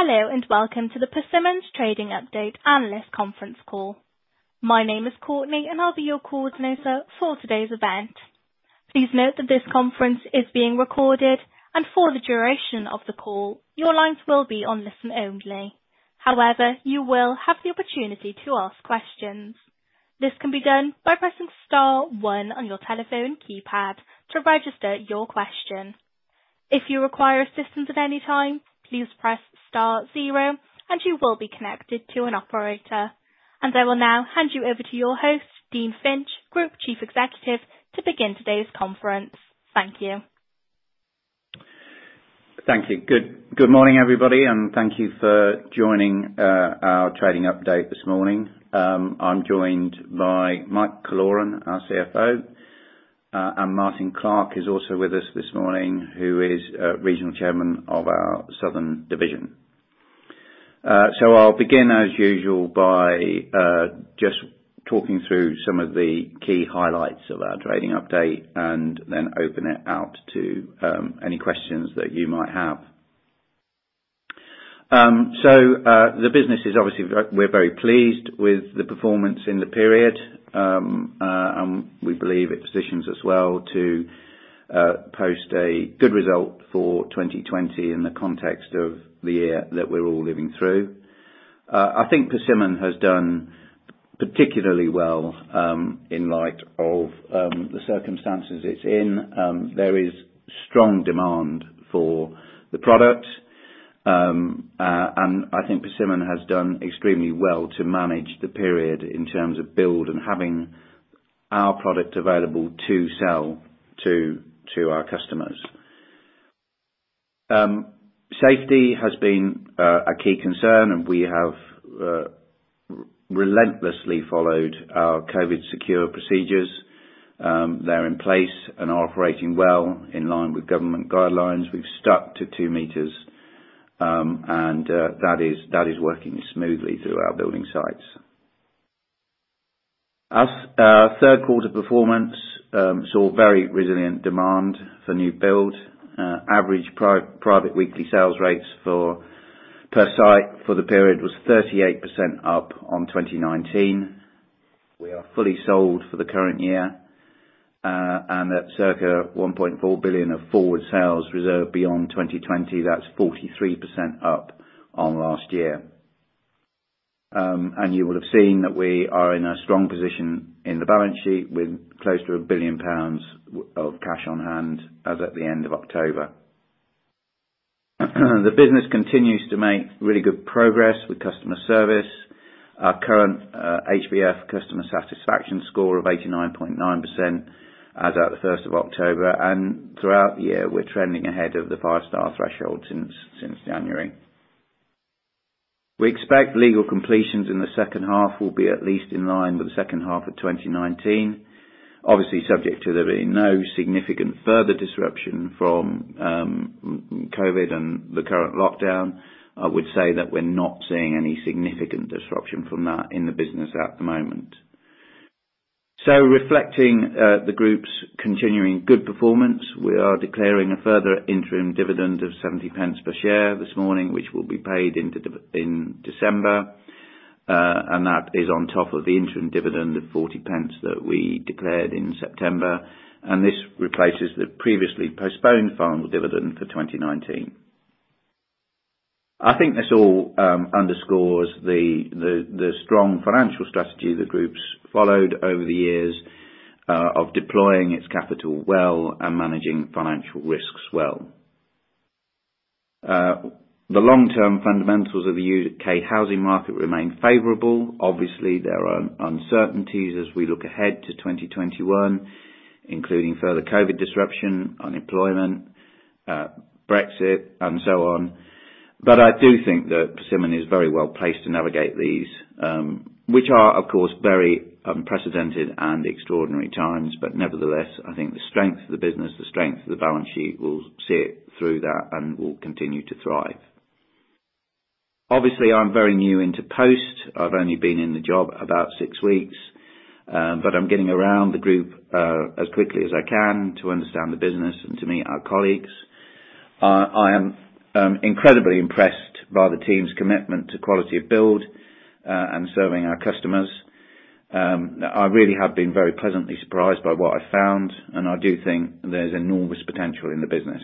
Hello, welcome to the Persimmon trading update analyst conference call. My name is Courtney, and I'll be your coordinator for today's event. Please note that this conference is being recorded, and for the duration of the call, your lines will be on listen only. However, you will have the opportunity to ask questions. This can be done by pressing star one on your telephone keypad to register your question. If you require assistance at any time, please press star zero and you will be connected to an operator. I will now hand you over to your host, Dean Finch, Group Chief Executive, to begin today's conference. Thank you. Thank you. Good morning, everybody, and thank you for joining our trading update this morning. I'm joined by Mike Killoran, our CFO, and Martyn Clark is also with us this morning, who is Regional Chairman of our Southern division. I'll begin as usual by just talking through some of the key highlights of our trading update and then open it out to any questions that you might have. We're very pleased with the performance in the period, and we believe it positions us well to post a good result for 2020 in the context of the year that we're all living through. I think Persimmon has done particularly well in light of the circumstances it's in. There is strong demand for the product. I think Persimmon has done extremely well to manage the period in terms of build and having our product available to sell to our customers. Safety has been a key concern, and we have relentlessly followed our COVID secure procedures. They're in place and operating well in line with government guidelines. We've stuck to 2 m, and that is working smoothly through our building sites. Our third quarter performance saw very resilient demand for new build. Average private weekly sales rates per site for the period was 38% up on 2019. We are fully sold for the current year. At circa 1.4 billion of forward sales reserved beyond 2020, that's 43% up on last year. You will have seen that we are in a strong position in the balance sheet with close to 1 billion pounds of cash on hand as at the end of October. The business continues to make really good progress with customer service. Our current HBF customer satisfaction score of 89.9% as at October 1st. Throughout the year, we're trending ahead of the five-star threshold since January. We expect legal completions in the second half will be at least in line with the second half of 2019. Obviously, subject to there being no significant further disruption from COVID and the current lockdown. I would say that we're not seeing any significant disruption from that in the business at the moment. Reflecting the group's continuing good performance, we are declaring a further interim dividend of 0.70 per share this morning, which will be paid in December. That is on top of the interim dividend of 0.40 that we declared in September. This replaces the previously postponed final dividend for 2019. I think this all underscores the strong financial strategy the group's followed over the years of deploying its capital well and managing financial risks well. The long-term fundamentals of the U.K. housing market remain favorable. Obviously, there are uncertainties as we look ahead to 2021, including further COVID disruption, unemployment, Brexit, and so on. I do think that Persimmon is very well-placed to navigate these, which are, of course, very unprecedented and extraordinary times. Nevertheless, I think the strength of the business, the strength of the balance sheet will see it through that and will continue to thrive. Obviously, I'm very new into post. I've only been in the job about six weeks. I'm getting around the group as quickly as I can to understand the business and to meet our colleagues. I am incredibly impressed by the team's commitment to quality of build and serving our customers. I really have been very pleasantly surprised by what I found, and I do think there's enormous potential in the business.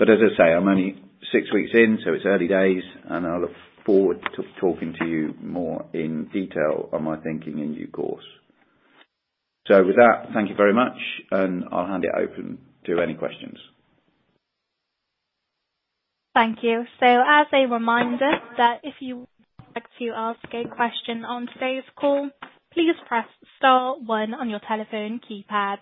As I say, I'm only six weeks in, so it's early days, and I look forward to talking to you more in detail on my thinking in due course. With that, thank you very much, and I'll hand it open to any questions. Thank you. As a reminder that if you would like to ask a question on today's call, please press star one on your telephone keypad.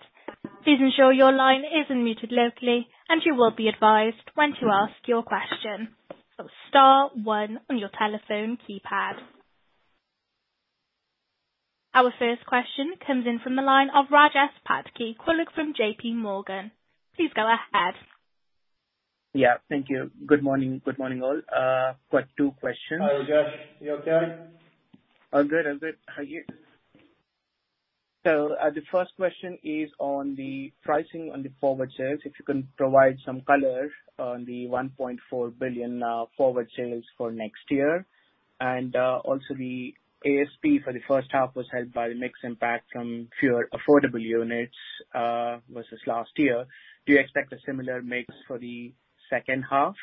Please allow your line to be muted and you'll be advised when to ask a question. Star one on your telephone keypad. Our first question comes in from the line of Rajesh Patki, calling from JPMorgan. Please go ahead. Yeah, thank you. Good morning. Good morning, all. I've got two questions. Hi, Rajesh. You okay? I'm good. How are you? The first question is on the pricing on the forward sales, if you can provide some color on the 1.4 billion forward sales for next year, and also the ASP for the first half was helped by the mix impact from fewer affordable units versus last year. Do you expect a similar mix for the second half?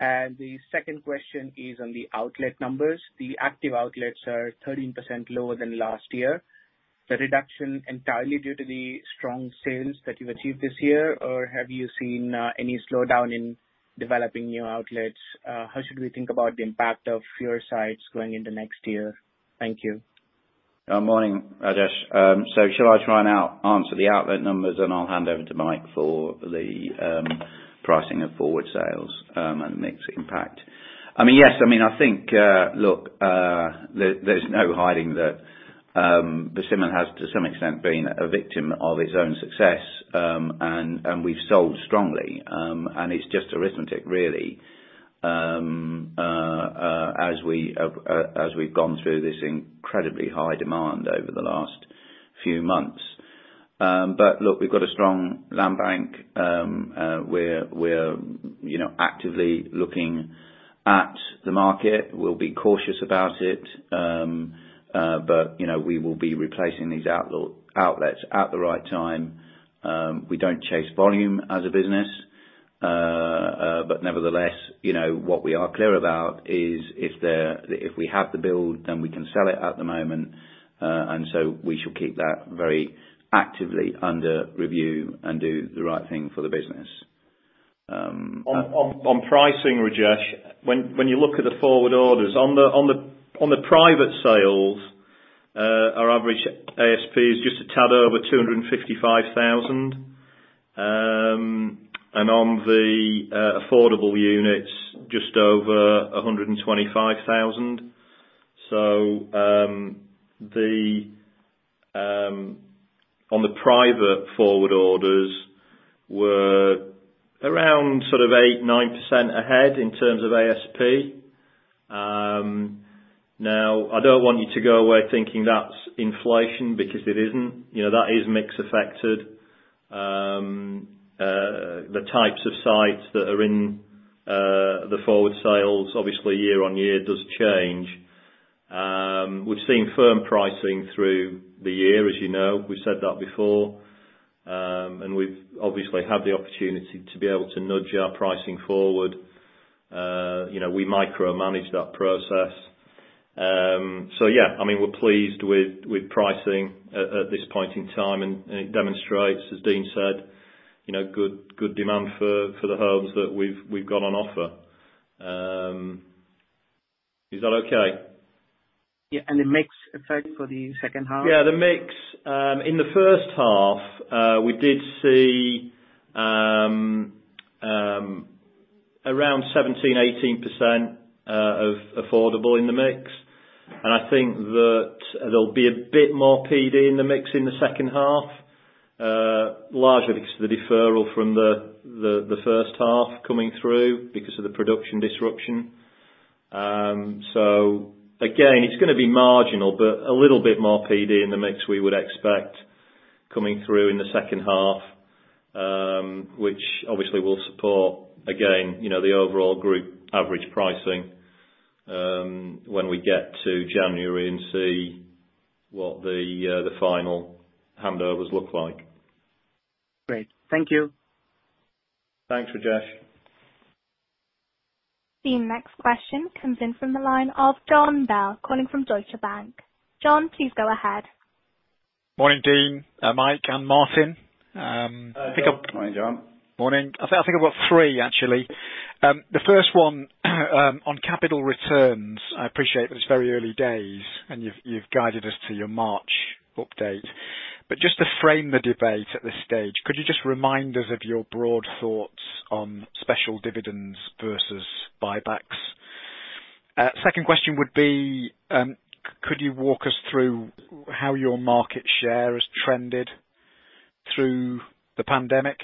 The second question is on the outlet numbers. The active outlets are 13% lower than last year. Is the reduction entirely due to the strong sales that you've achieved this year? Have you seen any slowdown in developing new outlets? How should we think about the impact of fewer sites going into next year? Thank you. Good morning, Rajesh. Shall I try and answer the outlet numbers, and I'll hand over to Mike for the pricing of forward sales and mix impact. Yes, I think there's no hiding that Persimmon has, to some extent, been a victim of its own success. We've sold strongly. It's just arithmetic, really, as we've gone through this incredibly high demand over the last few months. Look, we've got a strong land bank. We're actively looking at the market. We'll be cautious about it. We will be replacing these outlets at the right time. We don't chase volume as a business. Nevertheless, what we are clear about is if we have the build, then we can sell it at the moment. We shall keep that very actively under review and do the right thing for the business. On pricing, Rajesh, when you look at the forward orders, on the private sales, our average ASP is just a tad over 255,000. On the affordable units, just over 125,000. On the private forward orders, we're around 8%-9% ahead in terms of ASP. I don't want you to go away thinking that's inflation because it isn't. That is mix affected. The types of sites that are in the forward sales, obviously year-over-year does change. We've seen firm pricing through the year, as you know. We've said that before. We've obviously had the opportunity to be able to nudge our pricing forward. We micromanage that process. We're pleased with pricing at this point in time, and it demonstrates, as Dean said, good demand for the homes that we've got on offer. Is that okay? Yeah. The mix effect for the second half? Yeah, the mix. In the first half, we did see around 17%, 18% of affordable in the mix. I think that there'll be a bit more PD in the mix in the second half. Largely because of the deferral from the first half coming through because of the production disruption. Again, it's going to be marginal, but a little bit more PD in the mix we would expect coming through in the second half. Which obviously will support, again, the overall group average pricing when we get to January and see what the final handovers look like. Great. Thank you. Thanks, Rajesh. The next question comes in from the line of Jon Bell, calling from Deutsche Bank. Jon, please go ahead. Morning, Dean, Mike, and Martyn. Morning, Jon. Morning. I think I've got three, actually. The first one on capital returns. I appreciate that it's very early days and you've guided us to your March update. Just to frame the debate at this stage, could you just remind us of your broad thoughts on special dividends versus buybacks? Second question would be, could you walk us through how your market share has trended through the pandemic?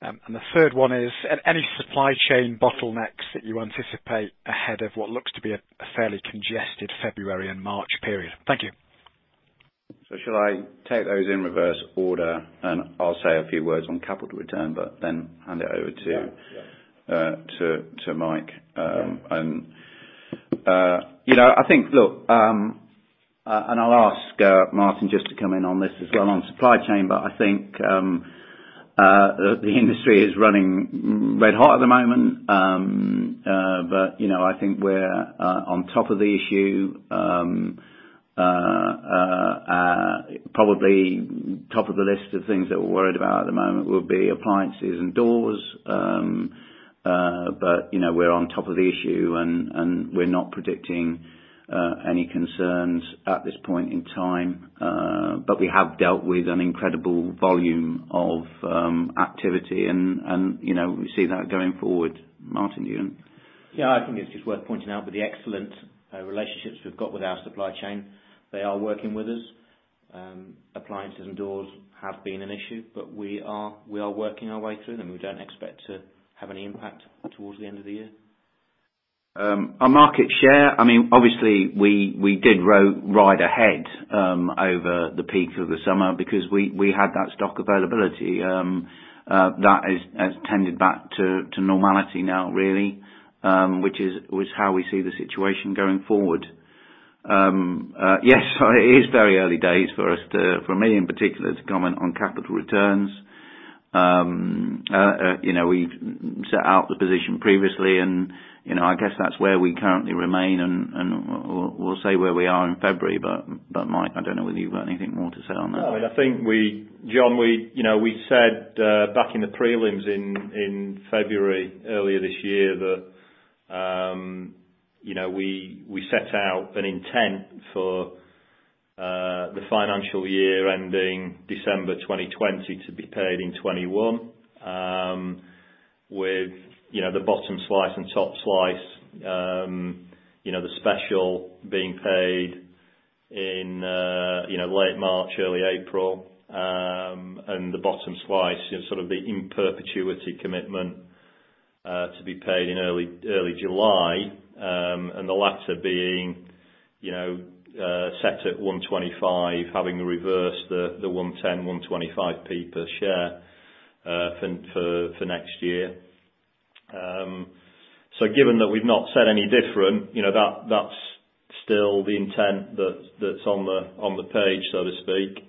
The third one is any supply chain bottlenecks that you anticipate ahead of what looks to be a fairly congested February and March period. Thank you. Shall I take those in reverse order, and I'll say a few words on capital return, but then hand it over to Mike. Yeah. Look, I'll ask Martyn just to come in on this as well on supply chain, I think the industry is running red hot at the moment. I think we're on top of the issue. Probably top of the list of things that we're worried about at the moment will be appliances and doors. We're on top of the issue, and we're not predicting any concerns at this point in time. We have dealt with an incredible volume of activity, and we see that going forward. Martyn, you? Yeah, I think it's just worth pointing out with the excellent relationships we've got with our supply chain, they are working with us. Appliances and doors have been an issue, but we are working our way through them. We don't expect to have any impact towards the end of the year. On market share, obviously, we did ride ahead over the peak of the summer because we had that stock availability. That has tended back to normality now, really, which is how we see the situation going forward. Yes, it is very early days for us, for me in particular, to comment on capital returns. We've set out the position previously, and I guess that's where we currently remain, and we'll say where we are in February. Mike, I don't know whether you've got anything more to say on that? No. Jon, we said back in the prelims in February, earlier this year, that we set out an intent for the financial year ending December 2020 to be paid in 2021. With the bottom slice and top slice, the special being paid in late March, early April, and the bottom slice, sort of the in perpetuity commitment, to be paid in early July. The latter being set at 1.25, having reversed the 1.10, 1.25 per share for next year. Given that we've not said any different, that's still the intent that's on the page, so to speak.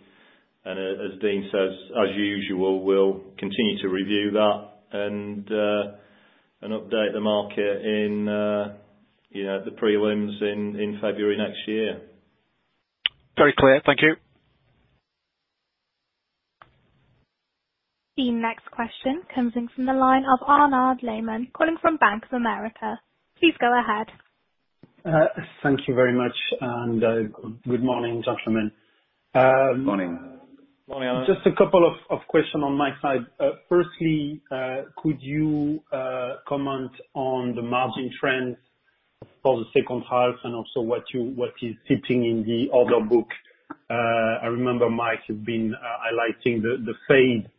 As Dean says, as usual, we'll continue to review that and update the market in the prelims in February next year. Very clear. Thank you. The next question comes in from the line of Arnaud Lehmann calling from Bank of America. Please go ahead. Thank you very much, and good morning, gentlemen. Morning. Morning, Arnaud. Just a couple of question on my side. Firstly, could you comment on the margin trends for the second half and also what is sitting in the order book? I remember, Mike, you've been highlighting the fade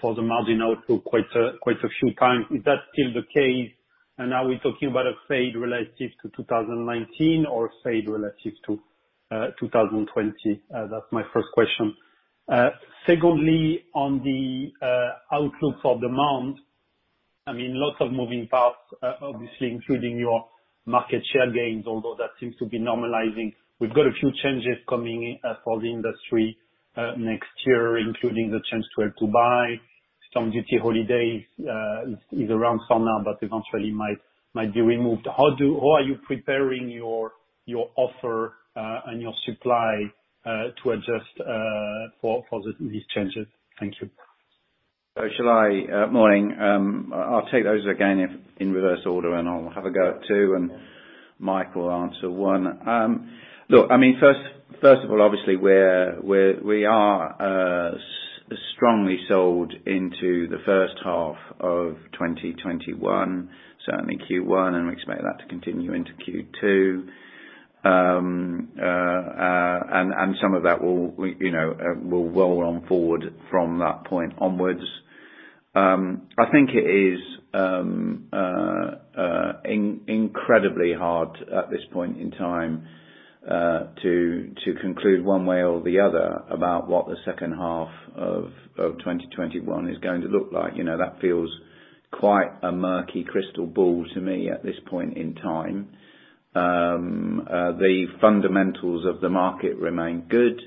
for the margin outlook quite a few times. Is that still the case? Are we talking about a fade relative to 2019 or a fade relative to 2020? That's my first question. Secondly, on the outlook for demand, lots of moving parts, obviously including your market share gains, although that seems to be normalizing. We've got a few changes coming for the industry next year, including the chance to Help to Buy. Stamp duty holiday is around for now, but eventually might be removed. How are you preparing your offer and your supply to adjust for these changes? Thank you. Morning. I'll take those again in reverse order. I'll have a go at two. Mike will answer one. First of all, obviously, we are strongly sold into the first half of 2021, certainly Q1. We expect that to continue into Q2. Some of that will roll on forward from that point onwards. I think it is incredibly hard at this point in time to conclude one way or the other about what the second half of 2021 is going to look like. That feels quite a murky crystal ball to me at this point in time. The fundamentals of the market remain good.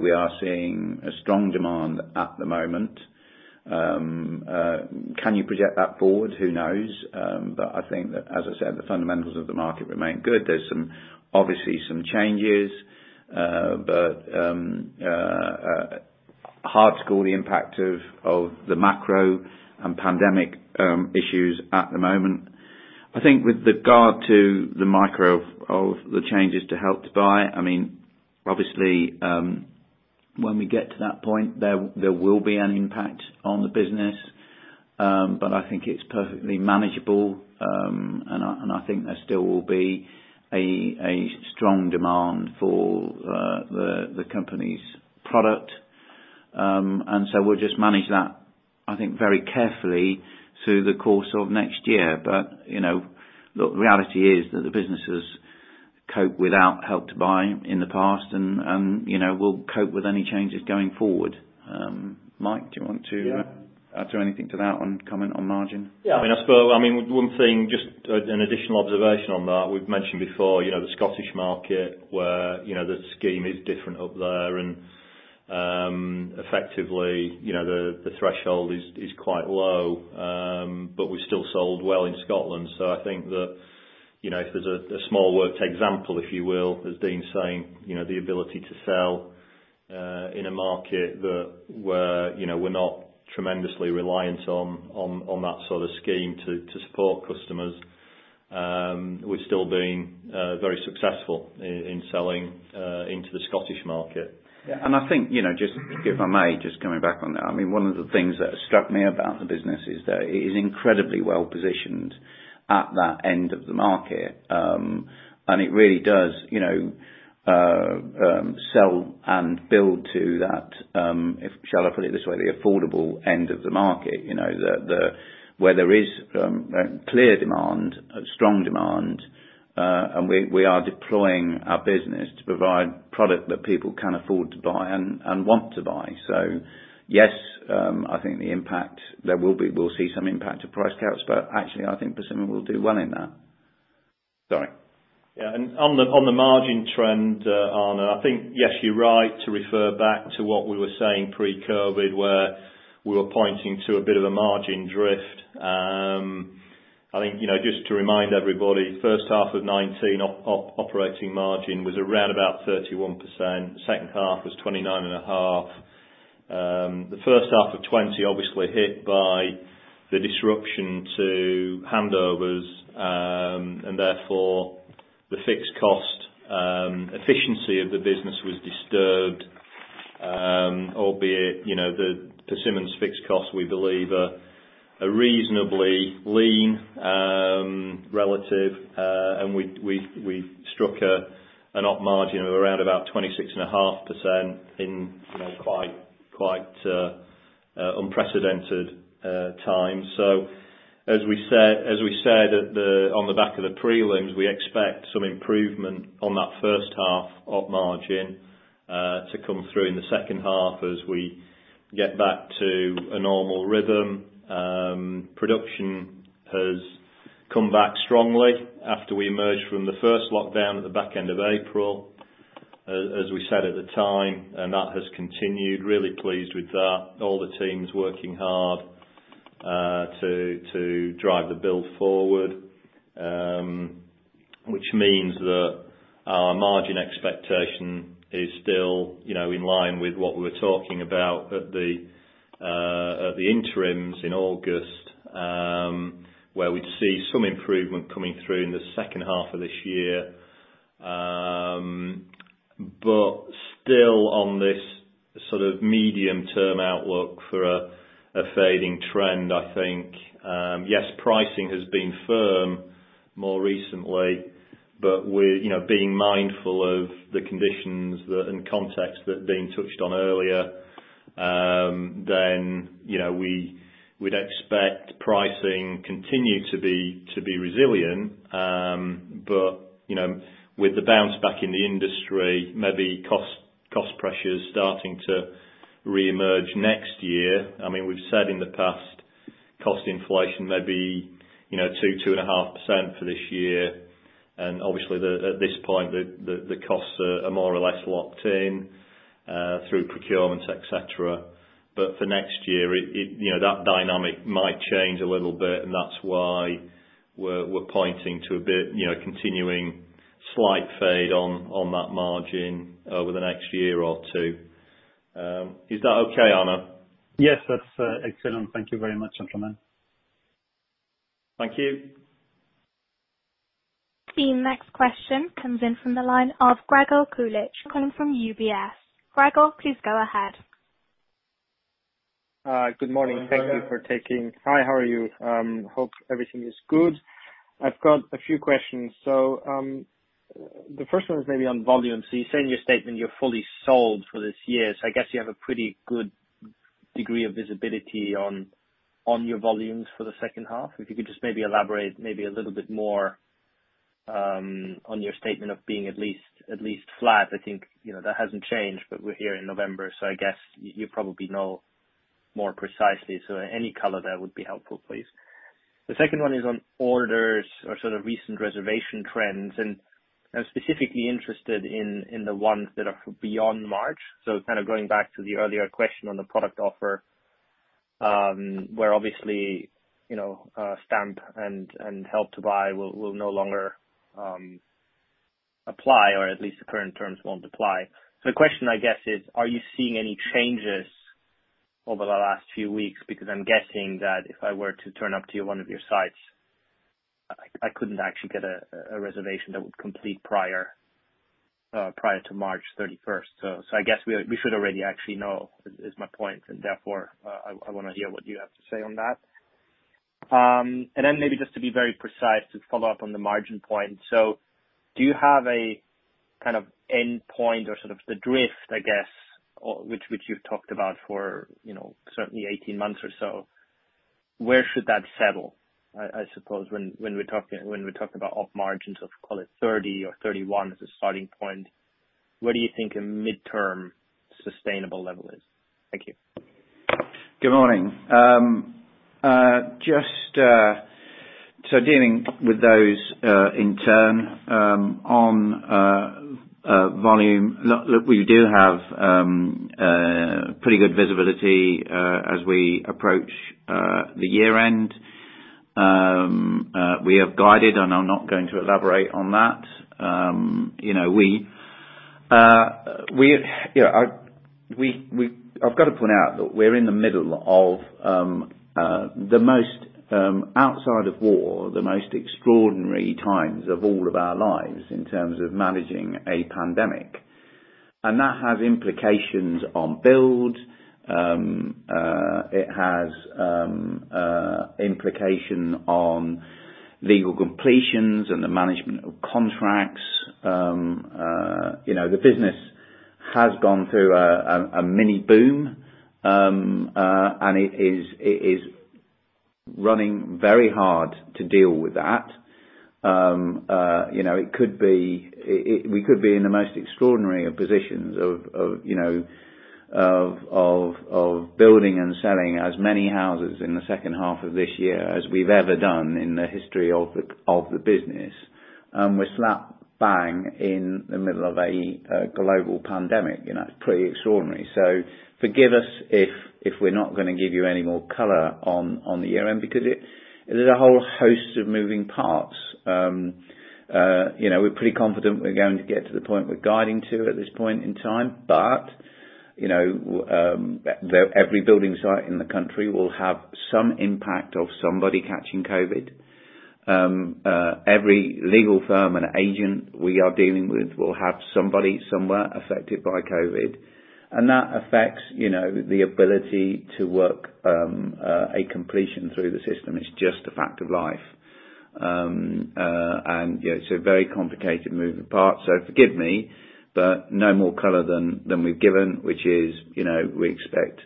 We are seeing a strong demand at the moment. Can you project that forward? Who knows? I think that, as I said, the fundamentals of the market remain good. There's obviously some changes. Hard to call the impact of the macro and pandemic issues at the moment. I think with regard to the micro of the changes to Help to Buy, obviously, when we get to that point, there will be an impact on the business. I think it's perfectly manageable. I think there still will be a strong demand for the company's product. We'll just manage that, I think, very carefully through the course of next year. The reality is that the business has coped without Help to Buy in the past and will cope with any changes going forward. Mike, do you want to add anything to that and comment on margin? Yeah. One thing, just an additional observation on that. We've mentioned before, the Scottish market, where the scheme is different up there, and effectively, the threshold is quite low. We've still sold well in Scotland. I think that if there's a small worked example, if you will, as Dean's saying, the ability to sell in a market where we're not tremendously reliant on that sort of scheme to support customers. We've still been very successful in selling into the Scottish market. Yeah. I think, if I may, just coming back on that, one of the things that struck me about the business is that it is incredibly well positioned at that end of the market. It really does sell and build to that, shall I put it this way, the affordable end of the market. Where there is a clear demand, a strong demand. We are deploying our business to provide product that people can afford to buy and want to buy. Yes, I think the impact, we'll see some impact to price caps, but actually, I think Persimmon will do well in that. Sorry. On the margin trend, Arnaud, I think, yes, you're right to refer back to what we were saying pre-COVID, where we were pointing to a bit of a margin drift. I think, just to remind everybody, first half of 2019 operating margin was around about 31%, second half was 29.5%. The first half of 2020 obviously hit by the disruption to handovers, and therefore the fixed cost efficiency of the business was disturbed. Albeit, the Persimmon's fixed cost, we believe, are reasonably lean relative, and we've struck an op margin of around about 26.5% in quite unprecedented times. As we said on the back of the prelims, we expect some improvement on that first half op margin to come through in the second half as we get back to a normal rhythm. Production has come back strongly after we emerged from the first lockdown at the back end of April, as we said at the time, and that has continued. Really pleased with that. All the teams working hard to drive the build forward, which means that our margin expectation is still in line with what we were talking about at the interims in August, where we'd see some improvement coming through in the second half of this year. Still on this sort of medium-term outlook for a fading trend, I think, yes, pricing has been firm more recently, being mindful of the conditions and context that Dean touched on earlier, then we'd expect pricing continue to be resilient. With the bounce back in the industry, maybe cost pressures starting to reemerge next year. We've said in the past, cost inflation may be 2%-2.5% for this year. Obviously at this point, the costs are more or less locked in, through procurements, etc. For next year, that dynamic might change a little bit, and that's why we're pointing to a bit continuing slight fade on that margin over the next year or two. Is that okay, Arnaud? Yes, that's excellent. Thank you very much, gentlemen. Thank you. The next question comes in from the line of Gregor Kuglitsch, coming from UBS. Gregor, please go ahead. Good morning. Morning, Gregor. Thank you for taking. Hi, how are you? Hope everything is good. I've got a few questions. The first one is maybe on volume. You say in your statement you're fully sold for this year, so I guess you have a pretty good degree of visibility on your volumes for the second half. If you could just maybe elaborate maybe a little bit more, on your statement of being at least flat. I think that hasn't changed, but we're here in November, so I guess you probably know more precisely. Any color there would be helpful, please. The second one is on orders or sort of recent reservation trends. I'm specifically interested in the ones that are beyond March. Kind of going back to the earlier question on the product offer, where obviously, Stamp and Help to Buy will no longer apply, or at least the current terms won't apply. The question, I guess, is are you seeing any changes over the last few weeks? Because I'm guessing that if I were to turn up to one of your sites, I couldn't actually get a reservation that would complete prior to March 31st. I guess we should already actually know is my point, and therefore, I want to hear what you have to say on that. Then maybe just to be very precise, to follow up on the margin point. Do you have a kind of endpoint or sort of the drift, I guess, which you've talked about for certainly 18 months or so, where should that settle? I suppose when we talk about op margins of, call it 30% or 31% as a starting point, what do you think a midterm sustainable level is? Thank you. Good morning. Dealing with those, in turn, on volume, look, we do have pretty good visibility, as we approach the year end. We have guided, and I'm not going to elaborate on that. I've got to point out that we're in the middle of the most, outside of war, the most extraordinary times of all of our lives in terms of managing a pandemic. That has implications on build. It has implication on legal completions and the management of contracts. The business has gone through a mini boom, and it is running very hard to deal with that. We could be in the most extraordinary of positions of building and selling as many houses in the second half of this year as we've ever done in the history of the business. We're slap bang in the middle of a global pandemic. It's pretty extraordinary. Forgive us if we're not going to give you any more color on the year end, because there's a whole host of moving parts. We're pretty confident we're going to get to the point we're guiding to at this point in time. Every building site in the country will have some impact of somebody catching COVID. Every legal firm and agent we are dealing with will have somebody somewhere affected by COVID. That affects the ability to work a completion through the system. It's just a fact of life. It's a very complicated moving part. Forgive me, but no more color than we've given, which is, we expect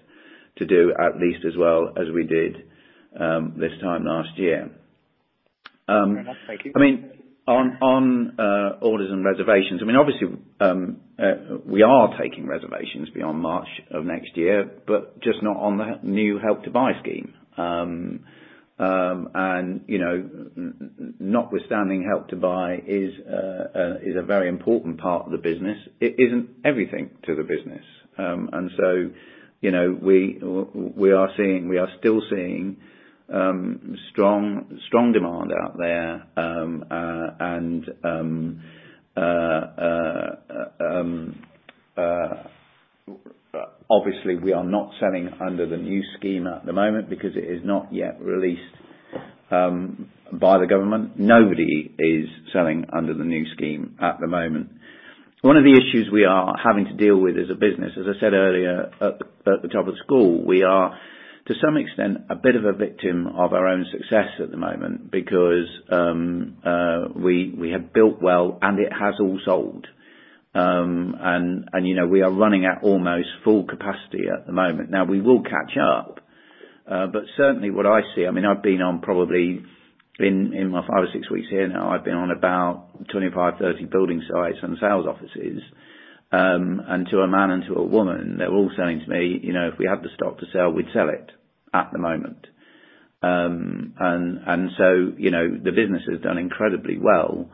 to do at least as well as we did this time last year. Very much. Thank you. On orders and reservations, obviously we are taking reservations beyond March of next year, but just not on the new Help to Buy scheme. Notwithstanding Help to Buy is a very important part of the business. It isn't everything to the business. We are still seeing strong demand out there. Obviously we are not selling under the new scheme at the moment because it is not yet released by the government. Nobody is selling under the new scheme at the moment. One of the issues we are having to deal with as a business, as I said earlier at the top of the call, we are, to some extent, a bit of a victim of our own success at the moment because we have built well, and it has all sold. We are running at almost full capacity at the moment. We will catch up. Certainly what I see, I've been on probably in my five or six weeks here now, I've been on about 25, 30 building sites and sales offices. To a man and to a woman, they're all saying to me, "If we have the stock to sell, we'd sell it at the moment." The business has done incredibly well,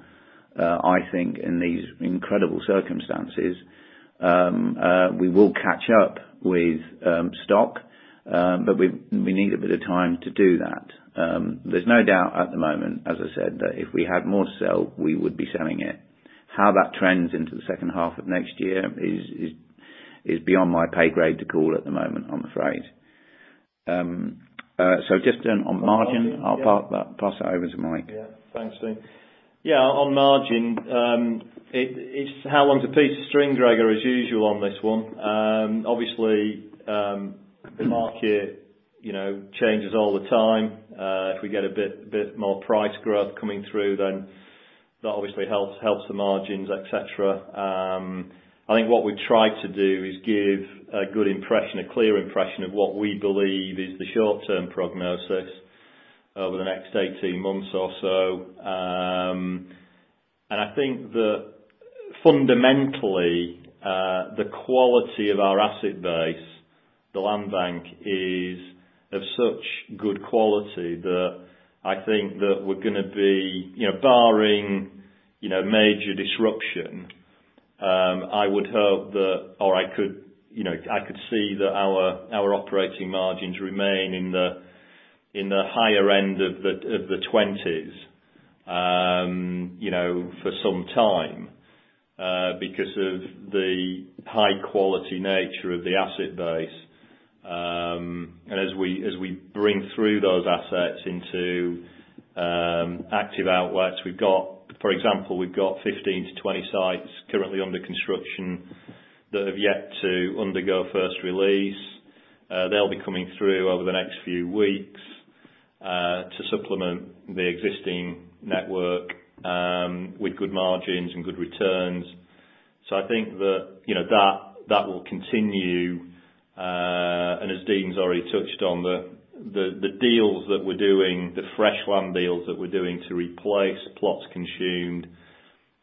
I think, in these incredible circumstances. We will catch up with stock, but we need a bit of time to do that. There's no doubt at the moment, as I said, that if we had more to sell, we would be selling it. How that trends into the second half of next year is beyond my pay grade to call at the moment, I'm afraid. Just on margin, I'll pass that over to Mike. Yeah. Thanks, Dean. On margin, it's how long's a piece of string, Gregor, as usual on this one. Obviously, the market changes all the time. If we get a bit more price growth coming through, then that obviously helps the margins, etc. I think what we've tried to do is give a good impression, a clear impression of what we believe is the short-term prognosis over the next 18 months or so. I think that fundamentally, the quality of our asset base, the land bank, is of such good quality that I think that we're going to be, barring major disruption, I would hope that, or I could see that our operating margins remain in the higher end of the 20s, for some time, because of the high quality nature of the asset base. As we bring through those assets into active outlets, for example, we've got 15-20 sites currently under construction that have yet to undergo first release. They'll be coming through over the next few weeks, to supplement the existing network with good margins and good returns. I think that will continue. As Dean's already touched on, the deals that we're doing, the fresh land deals that we're doing to replace plots consumed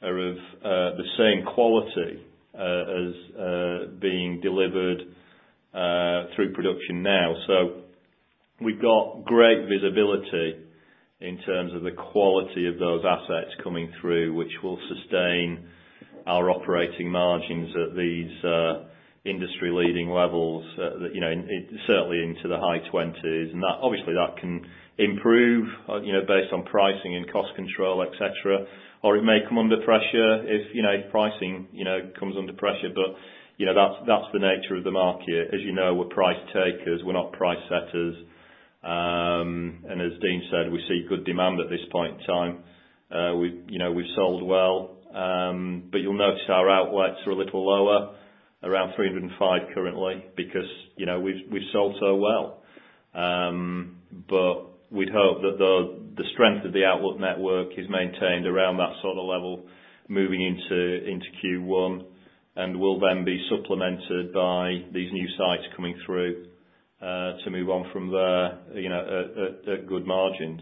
are of the same quality as being delivered through production now. We've got great visibility in terms of the quality of those assets coming through, which will sustain our operating margins at these industry leading levels, certainly into the high 20s. Obviously, that can improve based on pricing and cost control, etc. It may come under pressure if pricing comes under pressure. That's the nature of the market. As you know, we're price takers. We're not price setters. As Dean said, we see good demand at this point in time. We've sold well. You'll notice our outlets are a little lower, around 305 currently, because we've sold so well. We'd hope that the strength of the outward network is maintained around that sort of level moving into Q1, and will then be supplemented by these new sites coming through, to move on from there at good margins.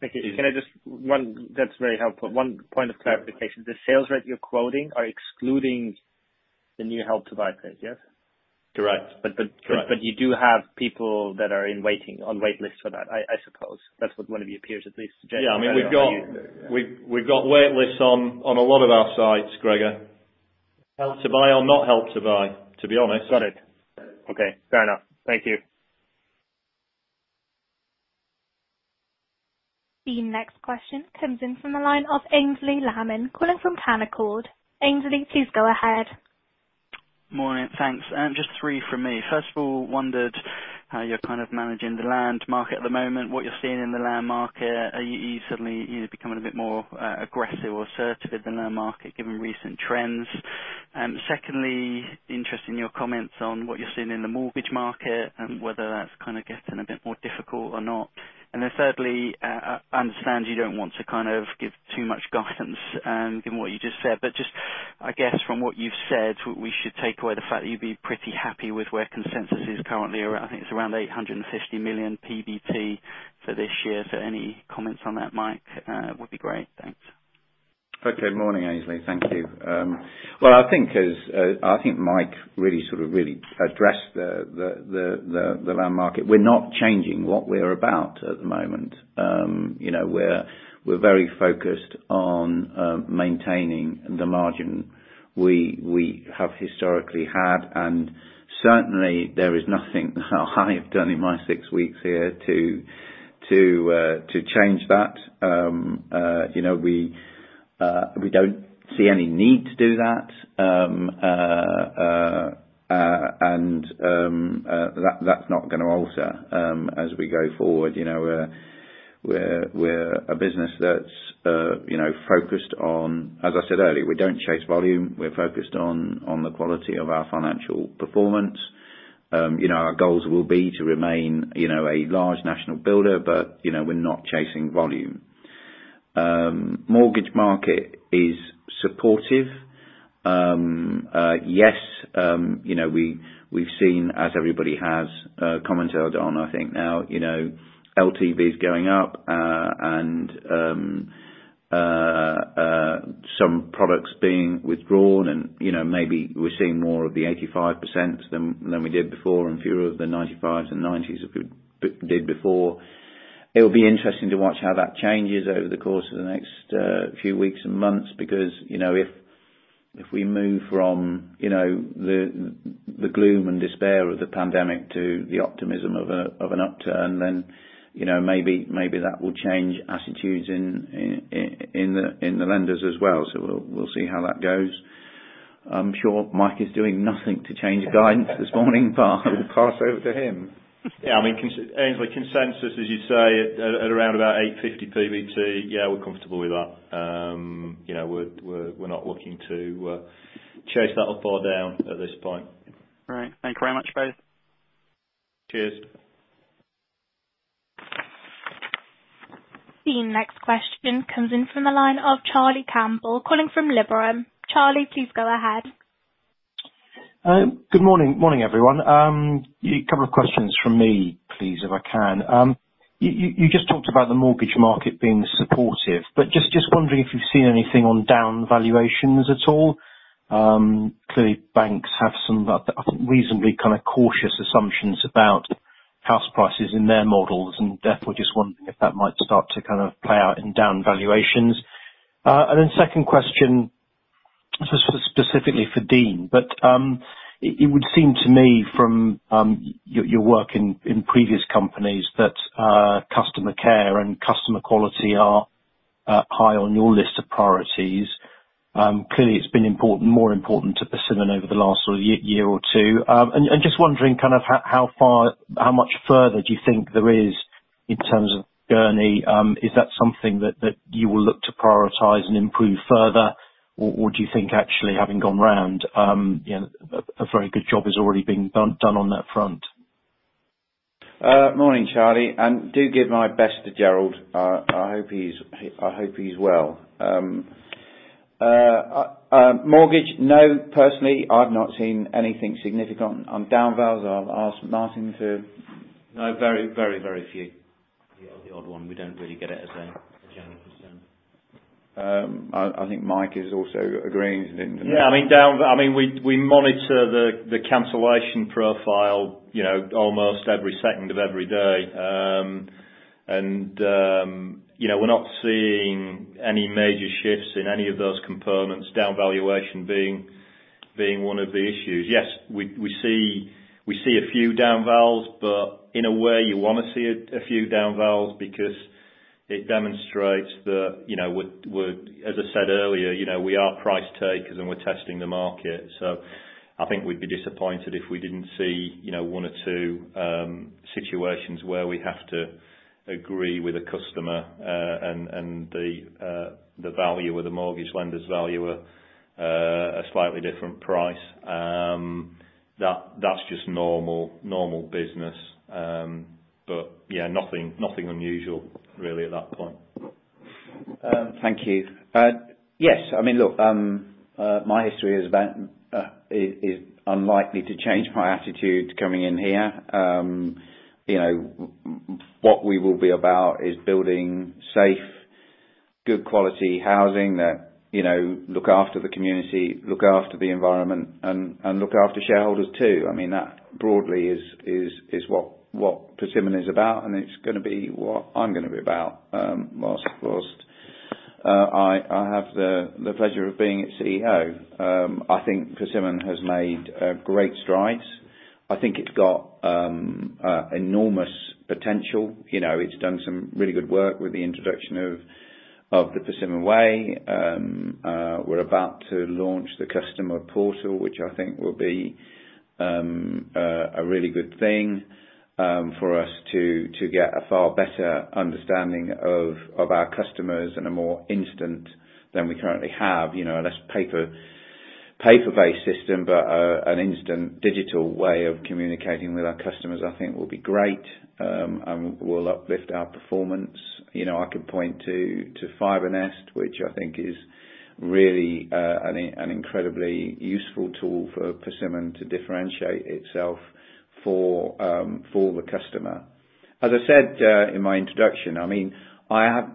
Thank you. That is very helpful. One point of clarification. The sales rate you are quoting are excluding the new Help to Buy phase, yes? Correct. You do have people that are on waitlists for that, I suppose. Yeah, we've got waitlists on a lot of our sites, Gregor. Help to Buy or not Help to Buy, to be honest. Got it. Okay, fair enough. Thank you. The next question comes in from the line of Aynsley Lammin calling from Canaccord. Aynsley, please go ahead. Morning, thanks. Just three from me. First of all, wondered how you're kind of managing the land market at the moment, what you're seeing in the land market. Are you suddenly either becoming a bit more aggressive or assertive in the land market given recent trends? Secondly, interested in your comments on what you're seeing in the mortgage market and whether that's kind of getting a bit more difficult or not. Then thirdly, I understand you don't want to give too much guidance, given what you just said, but just, I guess from what you've said, we should take away the fact that you'd be pretty happy with where consensus is currently around. I think it's around 850 million PBT for this year. Any comments on that, Mike, would be great. Thanks. Okay. Morning, Aynsley. Thank you. I think Mike really sort of really addressed the land market. We're not changing what we're about at the moment. We're very focused on maintaining the margin we have historically had, certainly there is nothing I have done in my six weeks here to change that. We don't see any need to do that, and that's not going to alter as we go forward. We're a business that's focused on-- As I said earlier, we don't chase volume. We're focused on the quality of our financial performance. Our goals will be to remain a large national builder, but we're not chasing volume. Mortgage market is supportive. Yes. We've seen, as everybody has commented on, I think now, LTVs going up, and some products being withdrawn and maybe we're seeing more of the 85% than we did before, and fewer of the 95s and 90s than we did before. It'll be interesting to watch how that changes over the course of the next few weeks and months, because if we move from the gloom and despair of the pandemic to the optimism of an upturn, then maybe that will change attitudes in the lenders as well. We'll see how that goes. I'm sure Mike is doing nothing to change guidance this morning, but I will pass over to him. Yeah, Aynsley, consensus, as you say, at around about 850 PBT, yeah, we're comfortable with that. We're not looking to chase that up or down at this point. All right. Thank you very much, both. Cheers. The next question comes in from the line of Charlie Campbell calling from Liberum. Charlie, please go ahead. Good morning. Morning, everyone. A couple of questions from me, please, if I can. You just talked about the mortgage market being supportive, but just wondering if you've seen anything on down valuations at all. Clearly banks have some reasonably kind of cautious assumptions about house prices in their models, therefore just wondering if that might start to kind of play out in down valuations. Second question, specifically for Dean, but it would seem to me from your work in previous companies that customer care and customer quality are high on your list of priorities. Clearly it's been more important to Persimmon over the last year or two. Just wondering kind of how much further do you think there is in terms of journey. Is that something that you will look to prioritize and improve further? Do you think actually having gone round, a very good job is already being done on that front? Morning, Charlie. Do give my best to Gerald. I hope he's well. Mortgage, no, personally, I've not seen anything significant on down vales. I'll ask Martyn to- No, very, very few. The odd one. We don't really get it as a general concern. I think Mike is also agreeing to that. Yeah. We monitor the cancellation profile almost every second of every day. We're not seeing any major shifts in any of those components, down valuation being one of the issues. Yes, we see a few down vales, but in a way you want to see a few down vales because it demonstrates that, as I said earlier, we are price takers and we're testing the market. I think we'd be disappointed if we didn't see one or two situations where we have to agree with a customer, and the valuer or the mortgage lender's valuer a slightly different price. That's just normal business. Nothing unusual really at that point. Thank you. Yes, look, my history is unlikely to change my attitude coming in here. What we will be about is building safe, good quality housing that look after the community, look after the environment, and look after shareholders, too. That broadly is what Persimmon is about, and it's going to be what I'm going to be about whilst I have the pleasure of being its CEO. I think Persimmon has made great strides. I think it's got enormous potential. It's done some really good work with the introduction of The Persimmon Way. We're about to launch the customer portal, which I think will be a really good thing for us to get a far better understanding of our customers in a more instant than we currently have. Less paper-based system, but an instant digital way of communicating with our customers, I think will be great, and will uplift our performance. I could point to FibreNest, which I think is really an incredibly useful tool for Persimmon to differentiate itself for the customer. As I said in my introduction, I'm not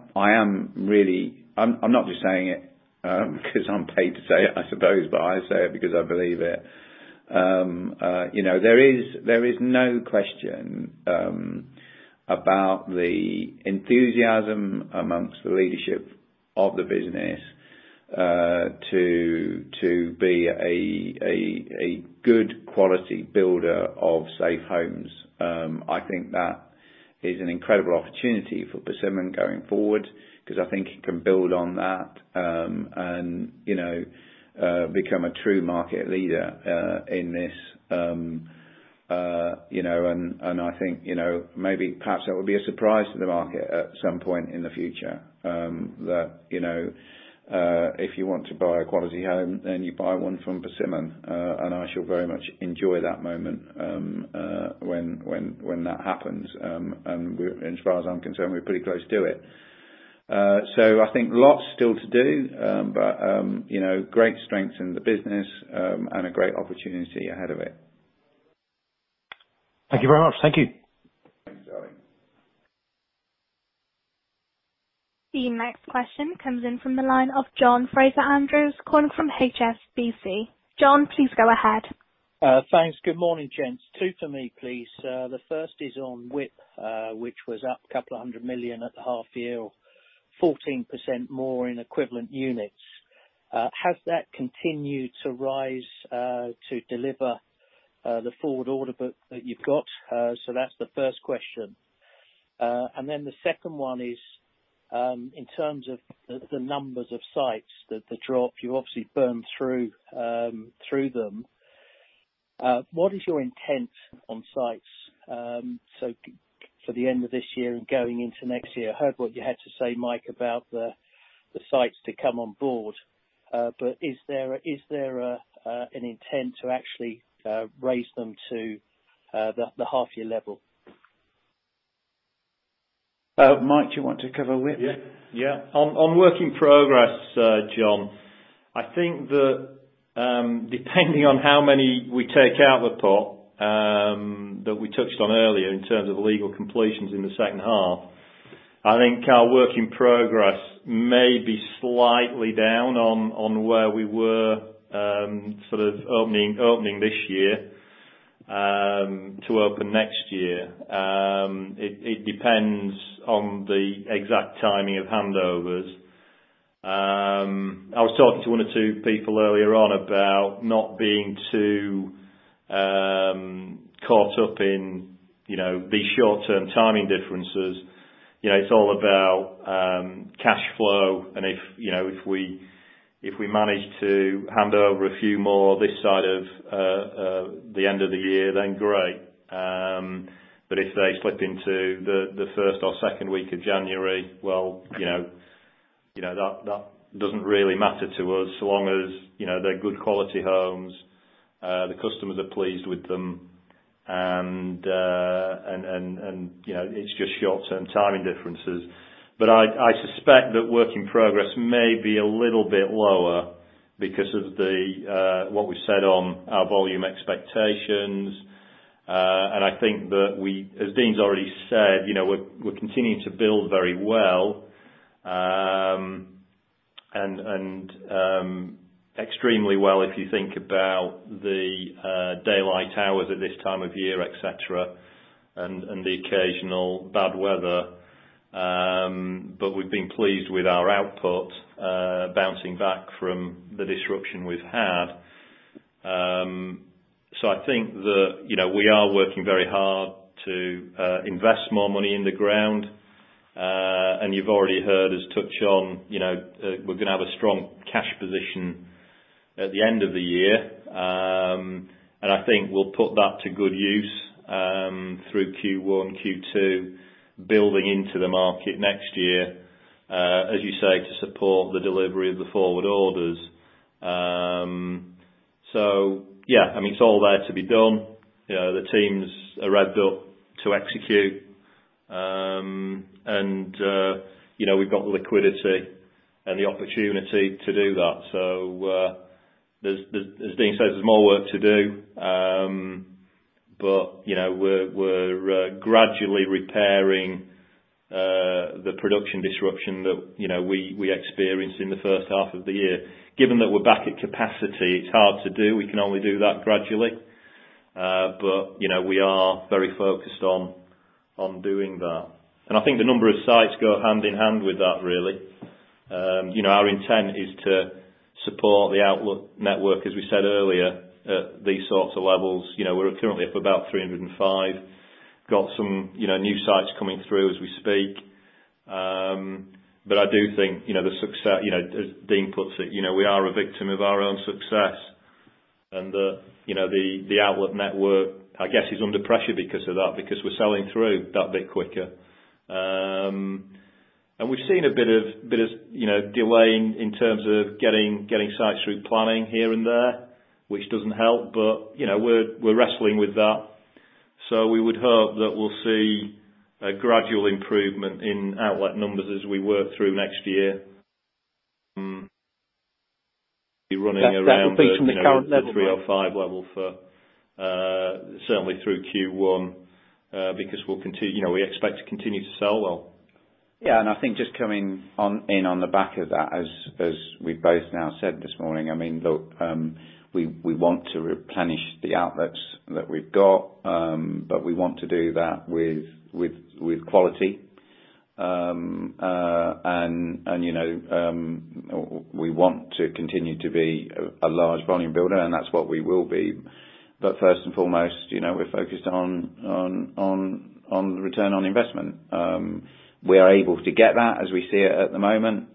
just saying it because I'm paid to say it, I suppose, but I say it because I believe it. There is no question about the enthusiasm amongst the leadership of the business to be a good quality builder of safe homes. I think that is an incredible opportunity for Persimmon going forward, because I think it can build on that, and become a true market leader in this. I think, maybe perhaps that would be a surprise to the market at some point in the future, that if you want to buy a quality home, then you buy one from Persimmon. I shall very much enjoy that moment when that happens. As far as I'm concerned, we're pretty close to it. I think lots still to do, but great strength in the business, and a great opportunity ahead of it. Thank you very much. Thank you. The next question comes in from the line of John Fraser-Andrews calling from HSBC. John, please go ahead. Thanks. Good morning, gents. Two for me, please. The first is on WIP, which was up a couple of 100 million at the half year, 14% more in equivalent units. Has that continued to rise to deliver the forward order book that you've got? That's the first question. The second one is, in terms of the numbers of sites, the drop, you obviously burned through them. What is your intent on sites? For the end of this year and going into next year. I heard what you had to say, Mike, about the sites to come on board. Is there an intent to actually raise them to the half year level? Mike, do you want to cover WIP? Yeah. On work in progress, John, I think that depending on how many we take out the pot that we touched on earlier in terms of the legal completions in the second half, I think our work in progress may be slightly down on where we were opening this year to open next year. It depends on the exact timing of handovers. I was talking to one or two people earlier on about not being too caught up in these short-term timing differences. It's all about cash flow, and if we manage to hand over a few more this side of the end of the year, then great. If they slip into the first or second week of January, well, that doesn't really matter to us so long as they're good quality homes, the customers are pleased with them, and it's just short-term timing differences. I suspect that work in progress may be a little bit lower because of what we said on our volume expectations. I think that we, as Dean's already said, we're continuing to build very well, and extremely well if you think about the daylight hours at this time of year, etc, and the occasional bad weather. We've been pleased with our output bouncing back from the disruption we've had. I think that we are working very hard to invest more money in the ground. You've already heard us touch on we're going to have a strong cash position at the end of the year. I think we'll put that to good use through Q1, Q2, building into the market next year. As you say, to support the delivery of the forward orders. Yeah, it's all there to be done. The teams are revved up to execute. We've got the liquidity and the opportunity to do that. As Dean says, there's more work to do. We're gradually repairing the production disruption that we experienced in the first half of the year. Given that we're back at capacity, it's hard to do. We can only do that gradually. We are very focused on doing that. I think the number of sites go hand in hand with that, really. Our intent is to support the outlet network, as we said earlier, at these sorts of levels. We're currently up about 305. Got some new sites coming through as we speak. I do think, as Dean puts it, we are a victim of our own success. The outlet network, I guess, is under pressure because of that, because we're selling through that bit quicker. We've seen a bit of delay in terms of getting sites through planning here and there, which doesn't help. We're wrestling with that. We would hope that we'll see a gradual improvement in outlet numbers as we work through next year. That would be from the current level. 305 level for certainly through Q1, because we expect to continue to sell well. Yeah, I think just coming in on the back of that, as we both now said this morning, look, we want to replenish the outlets that we've got, but we want to do that with quality. We want to continue to be a large volume builder, and that's what we will be. First and foremost, we're focused on return on investment. We are able to get that as we see it at the moment.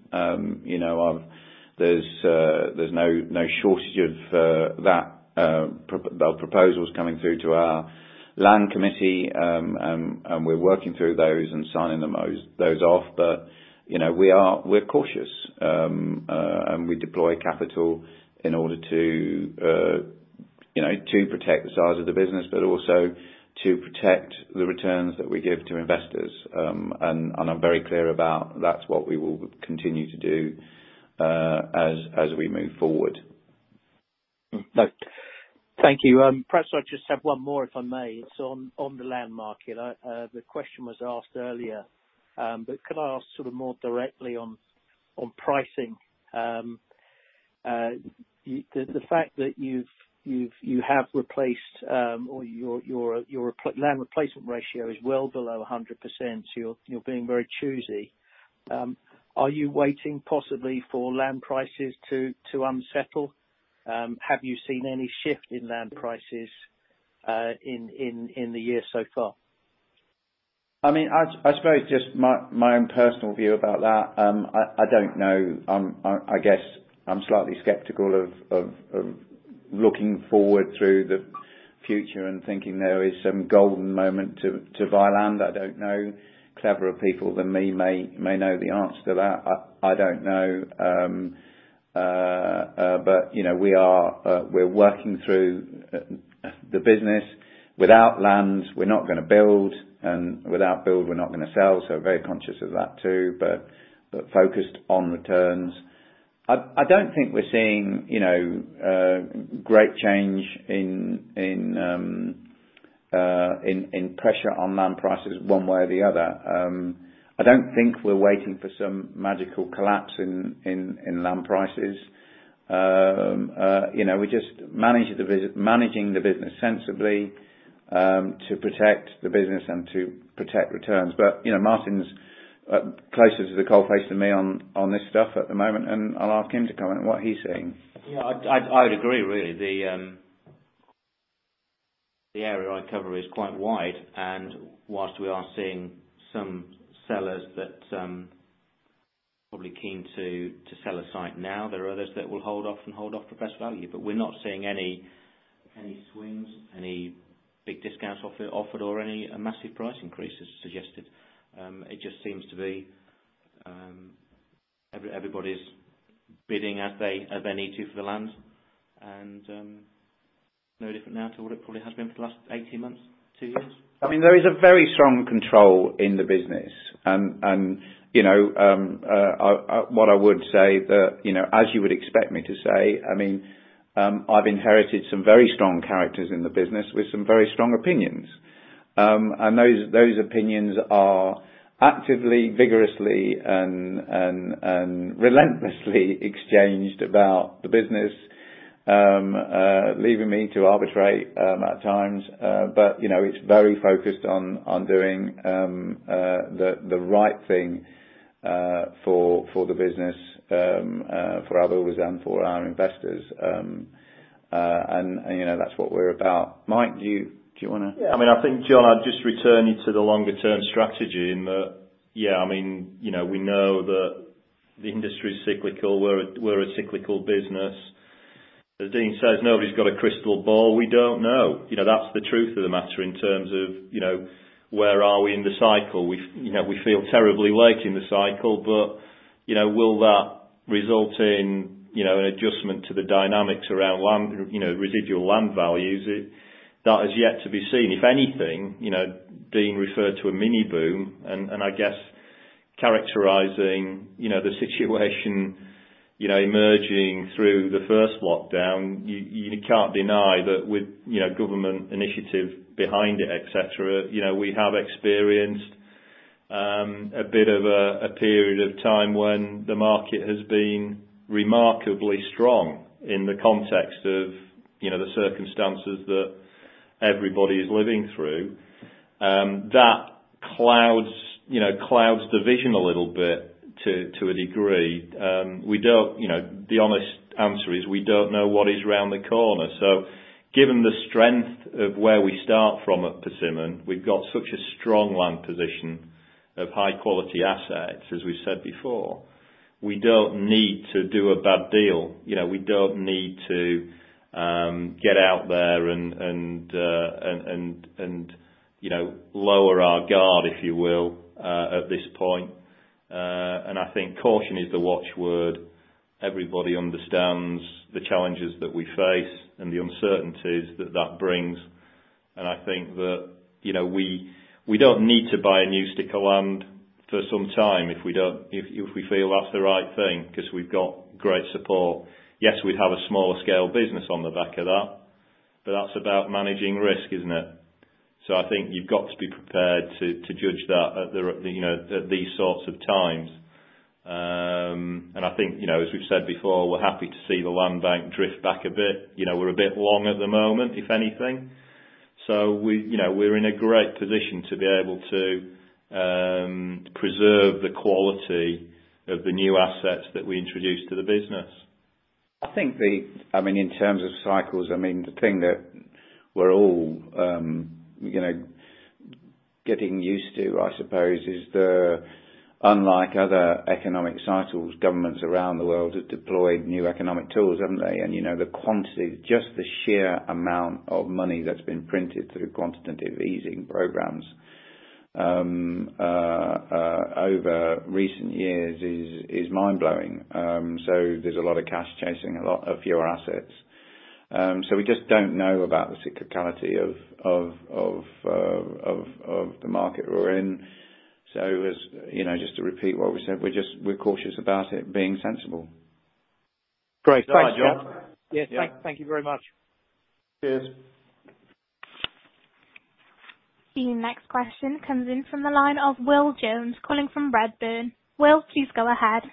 There's no shortage of proposals coming through to our land committee, and we're working through those and signing those off. But we're cautious. We deploy capital in order to protect the size of the business, but also to protect the returns that we give to investors. I'm very clear about, that's what we will continue to do as we move forward. Thank you. Perhaps I just have one more, if I may. It's on the land market. The question was asked earlier. Could I ask sort of more directly on pricing? The fact that you have replaced or your land replacement ratio is well below 100%, so you're being very choosy. Are you waiting possibly for land prices to unsettle? Have you seen any shift in land prices in the year so far? I suppose just my own personal view about that, I don't know. I guess I'm slightly skeptical of looking forward through the future and thinking there is some golden moment to buy land. I don't know. Cleverer people than me may know the answer to that. I don't know. We're working through the business. Without land, we're not going to build, and without build, we're not going to sell, so very conscious of that too, but focused on returns. I don't think we're seeing great change in pressure on land prices one way or the other. I don't think we're waiting for some magical collapse in land prices. We're just managing the business sensibly, to protect the business and to protect returns. Martyn's closer to the coal face than me on this stuff at the moment, and I'll ask him to comment on what he's seeing. Yeah, I would agree, really. The area I cover is quite wide, whilst we are seeing some sellers that probably keen to sell a site now, there are others that will hold off for best value. We're not seeing any swings, any big discounts offered or any massive price increases suggested. It just seems to be everybody's bidding as they need to for the land. No different now to what it probably has been for the last 18 months, two years. There is a very strong control in the business. What I would say that, as you would expect me to say, I've inherited some very strong characters in the business with some very strong opinions. Those opinions are actively, vigorously, and relentlessly exchanged about the business, leaving me to arbitrate at times. It's very focused on doing the right thing for the business, for our builders and for our investors. That's what we're about. Mike, do you wanna? Yeah. I think, John, I'd just return you to the longer-term strategy in that, yeah, we know that the industry is cyclical. We're a cyclical business. As Dean says, nobody's got a crystal ball. We don't know. That's the truth of the matter in terms of where are we in the cycle. We feel terribly late in the cycle, but will that result in an adjustment to the dynamics around residual land values? That is yet to be seen. If anything, Dean referred to a mini boom, and I guess characterizing the situation emerging through the first lockdown, you can't deny that with government initiative behind it, etc, we have experienced a bit of a period of time when the market has been remarkably strong in the context of the circumstances that everybody is living through. That clouds the vision a little bit to a degree. The honest answer is we don't know what is around the corner. Given the strength of where we start from at Persimmon, we've got such a strong land position of high-quality assets, as we've said before. We don't need to do a bad deal. We don't need to get out there and lower our guard, if you will, at this point. I think caution is the watchword. Everybody understands the challenges that we face and the uncertainties that that brings. I think that we don't need to buy a new stick of land for some time if we feel that's the right thing because we've got great support. Yes, we'd have a smaller scale business on the back of that, but that's about managing risk, isn't it? I think you've got to be prepared to judge that at these sorts of times. I think, as we've said before, we're happy to see the land bank drift back a bit. We're a bit long at the moment, if anything. We're in a great position to be able to preserve the quality of the new assets that we introduce to the business. I think, in terms of cycles, the thing that we're all getting used to, I suppose, is unlike other economic cycles, governments around the world have deployed new economic tools, haven't they? The quantity, just the sheer amount of money that's been printed through quantitative easing programs over recent years is mind-blowing. There's a lot of cash chasing a lot of your assets. We just don't know about the cyclicality of the market we're in. Just to repeat what we said, we're cautious about it being sensible. Great. Thanks, John. Yes. Thank you very much. Cheers. The next question comes in from the line of Will Jones, calling from Redburn. Will, please go ahead.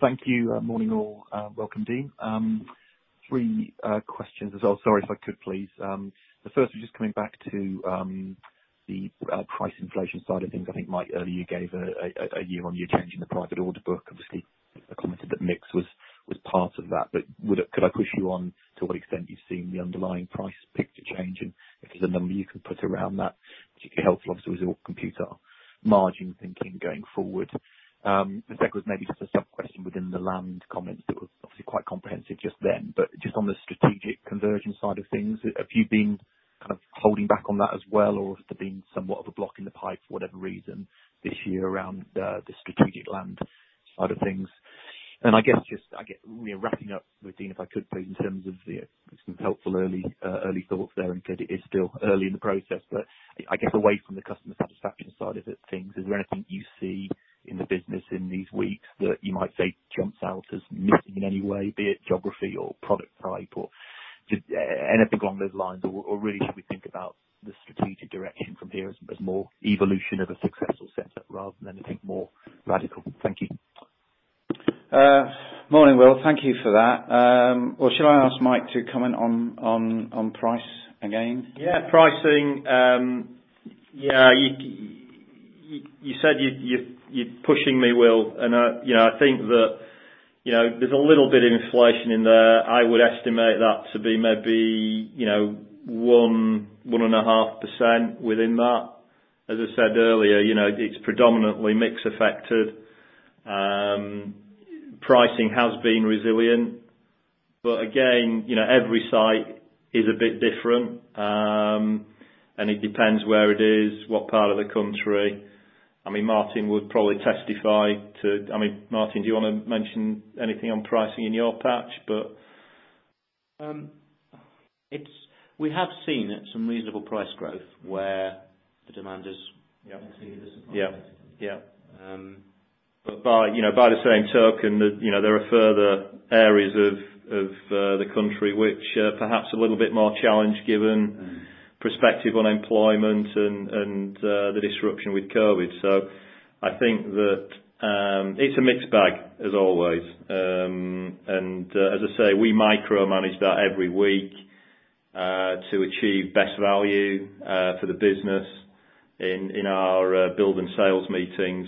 Thank you. Morning, all. Welcome, Dean. Three questions as well. Sorry if I could, please. The first is just coming back to the price inflation side of things. I think, Mike, earlier you gave a year-on-year change in the private order book. Obviously, you commented that mix was part of that. Could I push you on to what extent you're seeing the underlying price picture change? If there's a number you could put around that, which would be helpful, obviously, as we all compute our margin thinking going forward. The second was maybe just a sub-question within the land comments that were obviously quite comprehensive just then. Just on the strategic conversion side of things, have you been kind of holding back on that as well, or has there been somewhat of a block in the pipe for whatever reason this year around the strategic land side of things? I guess just wrapping up with Dean, if I could please, in terms of some helpful early thoughts there, and granted it is still early in the process. I guess away from the customer satisfaction side of the things, is there anything you see in the business in these weeks that you might say jumps out as missing in any way, be it geography or product type or anything along those lines? Really should we think about the strategic direction from here as more evolution of a successful setup rather than anything more radical? Thank you. Morning, Will. Thank you for that. Should I ask Mike to comment on price again? Yeah. Pricing. You said you're pushing me, Will. I think that there's a little bit of inflation in there. I would estimate that to be maybe 1%, 1.5% within that. As I said earlier, it's predominantly mix affected. Pricing has been resilient. Again, every site is a bit different. It depends where it is, what part of the country. Martyn would probably testify to Martyn, do you want to mention anything on pricing in your patch? We have seen some reasonable price growth where the demand has exceeded the supply. Yeah. By the same token, there are further areas of the country which are perhaps a little bit more challenged given perspective on employment and the disruption with COVID. I think that it's a mixed bag, as always. As I say, we micromanage that every week, to achieve best value for the business in our build and sales meetings.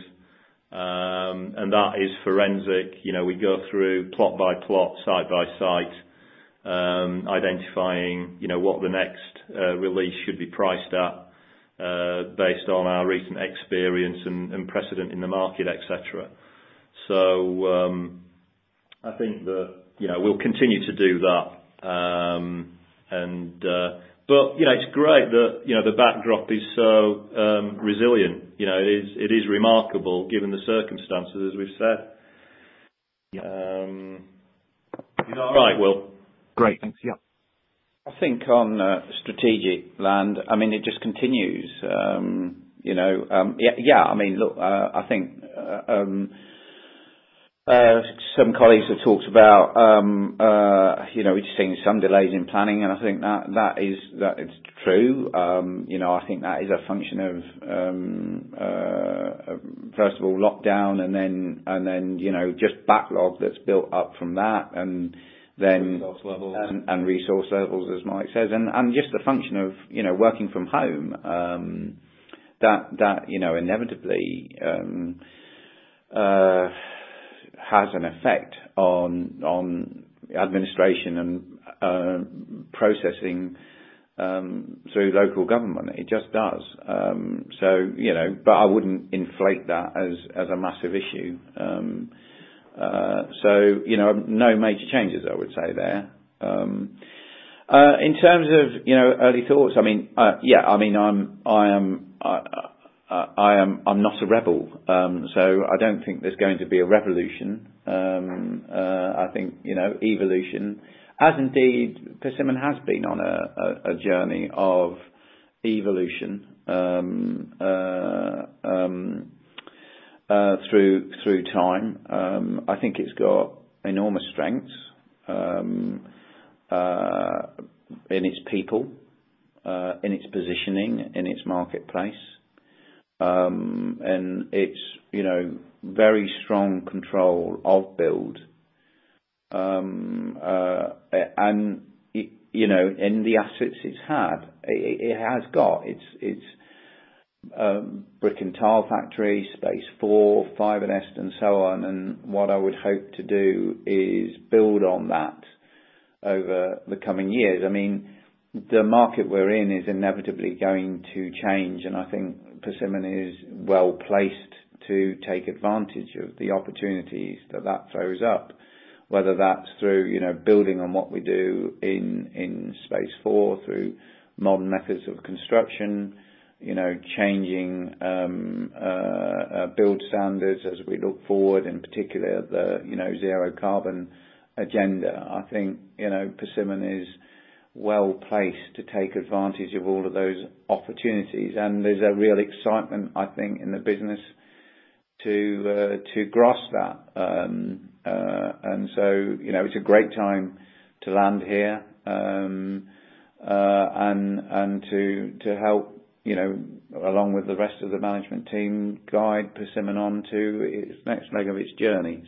That is forensic. We go through plot by plot, site by site, identifying what the next release should be priced at based on our recent experience and precedent in the market, etc. I think that we'll continue to do that. It's great that the backdrop is so resilient. It is remarkable given the circumstances, as we've said. Yeah. Is that all right, Will? Great. Thanks, yeah. I think on strategic land, it just continues. Yeah. Look, I think some colleagues have talked about, we're just seeing some delays in planning, I think that is true. I think that is a function of, first of all, lockdown and then just backlog that's built up from that- Resource levels. ...resource levels, as Mike says. Just the function of working from home, that inevitably has an effect on administration and processing through local government. It just does. I wouldn't inflate that as a massive issue. No major changes I would say there. In terms of early thoughts, yeah, I'm not a rebel, so I don't think there's going to be a revolution. I think evolution, as indeed Persimmon has been on a journey of evolution through time. I think it's got enormous strengths in its people, in its positioning, in its marketplace. It's very strong control of build. In the assets it's had. It has got its brick and tile factory, Space4, FibreNest, and so on. What I would hope to do is build on that over the coming years. The market we're in is inevitably going to change. I think Persimmon is well-placed to take advantage of the opportunities that that throws up, whether that's through building on what we do in Space4, through modern methods of construction, changing build standards as we look forward, in particular the zero carbon agenda. I think Persimmon is well-placed to take advantage of all of those opportunities. There's a real excitement, I think, in the business to grasp that. It's a great time to land here, and to help, along with the rest of the management team, guide Persimmon on to its next leg of its journey.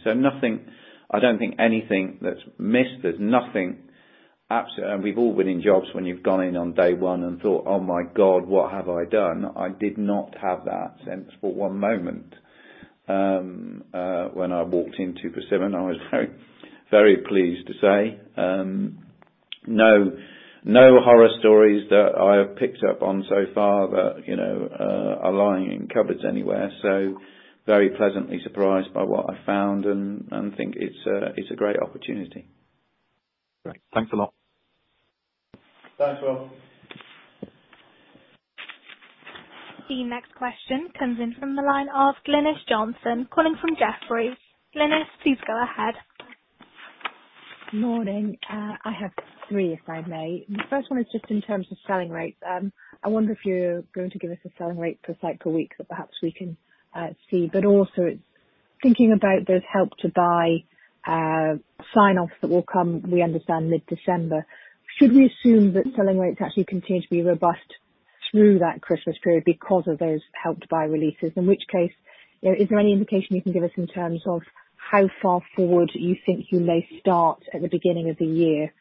I don't think anything that's missed, there's nothing. Absolutely. We've all been in jobs when you've gone in on day one and thought, "Oh my God, what have I done?" I did not have that sense for one moment when I walked into Persimmon, I was very pleased to say. No horror stories that I have picked up on so far that are lying in cupboards anywhere. Very pleasantly surprised by what I found and think it's a great opportunity. Great. Thanks a lot. Thanks, Will. The next question comes in from the line of Glynis Johnson calling from Jefferies. Glynis, please go ahead. Morning. I have three, if I may. The first one is just in terms of selling rates. I wonder if you're going to give us a selling rate per site per week that perhaps we can see. Also thinking about those Help to Buy sign-offs that will come, we understand mid-December, should we assume that selling rates actually continue to be robust through that Christmas period because of those Help to Buy releases? In which case, is there any indication you can give us in terms of how far forward you think you may start at the beginning of the year?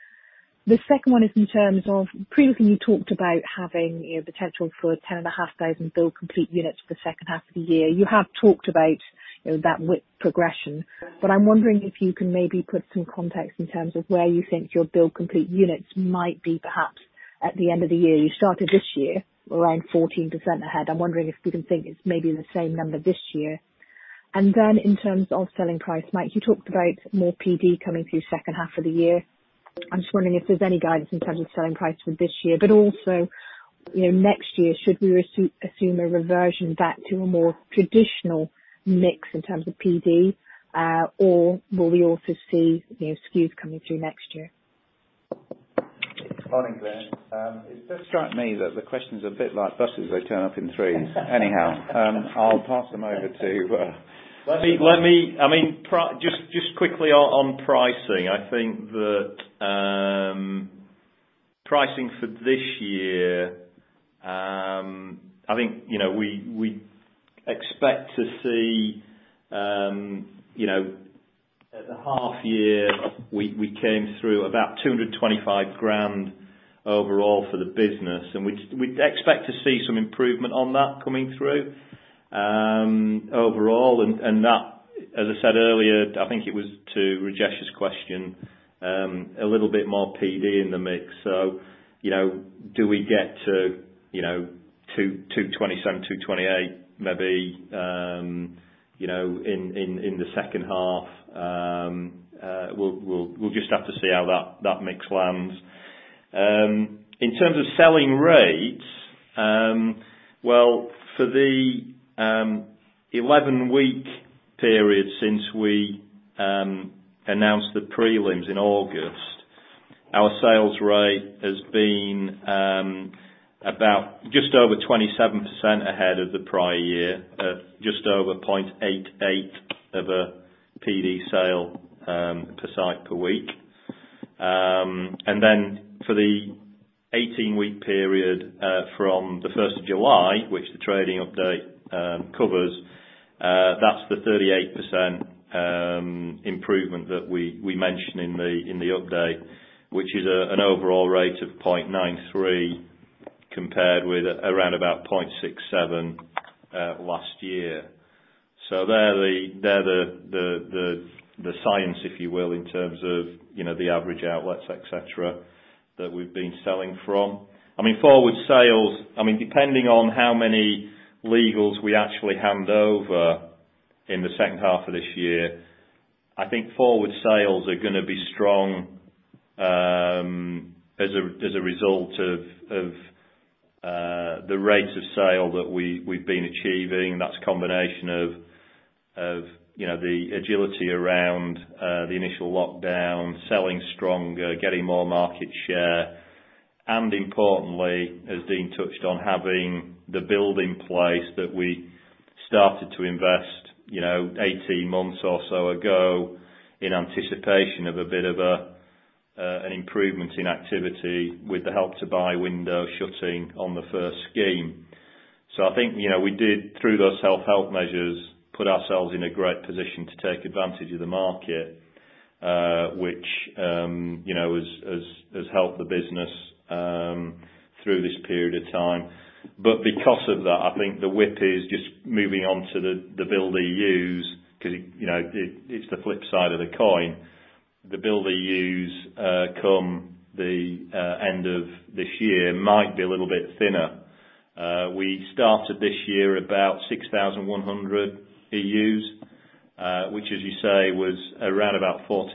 The second one is in terms of previously you talked about having potential for 10.5 Thousand build complete units for the second half of the year. You have talked about that WIP progression, but I'm wondering if you can maybe put some context in terms of where you think your build complete units might be, perhaps at the end of the year. You started this year around 14% ahead. I'm wondering if you can think it's maybe the same number this year. Then in terms of selling price, Mike, you talked about more PD coming through second half of the year. I'm just wondering if there's any guidance in terms of selling price for this year, but also, next year, should we assume a reversion back to a more traditional mix in terms of PD? Will we also see SKUs coming through next year? Morning, Glynis. It does strike me that the questions are a bit like buses. They turn up in threes. I'll pass them over to- Just quickly on pricing. I think that pricing for this year, we expect to see at the half year, we came through about 225 overall for the business, and we'd expect to see some improvement on that coming through overall. That, as I said earlier, I think it was to Rajesh's question, a little bit more PD in the mix. Do we get to 227, 228 maybe in the second half? We'll just have to see how that mix lands. In terms of selling rates, well, for the 11-week period since we announced the prelims in August, our sales rate has been about just over 27% ahead of the prior year, just over 0.88 of a PD sale per site per week. For the 18-week period from July 1st, which the trading update covers, that is the 38% improvement that we mention in the update, which is an overall rate of 0.93 compared with around about 0.67 last year. They are the science, if you will, in terms of the average outlets, etc, that we have been selling from. Depending on how many legals we actually hand over in the second half of this year, I think forward sales are going to be strong as a result of the rates of sale that we have been achieving. That's a combination of the agility around the initial lockdown, selling stronger, getting more market share, and importantly, as Dean touched on, having the build in place that we started to invest 18 months or so ago in anticipation of a bit of an improvement in activity with the Help to Buy window shutting on the first scheme. I think we did, through those self-help measures, put ourselves in a great position to take advantage of the market, which has helped the business through this period of time. Because of that, I think the WIP is just moving on to the build EUs because it's the flip side of the coin. The build EUs come the end of this year might be a little bit thinner. We started this year about 6,100 EUs, which as you say, was around about 14%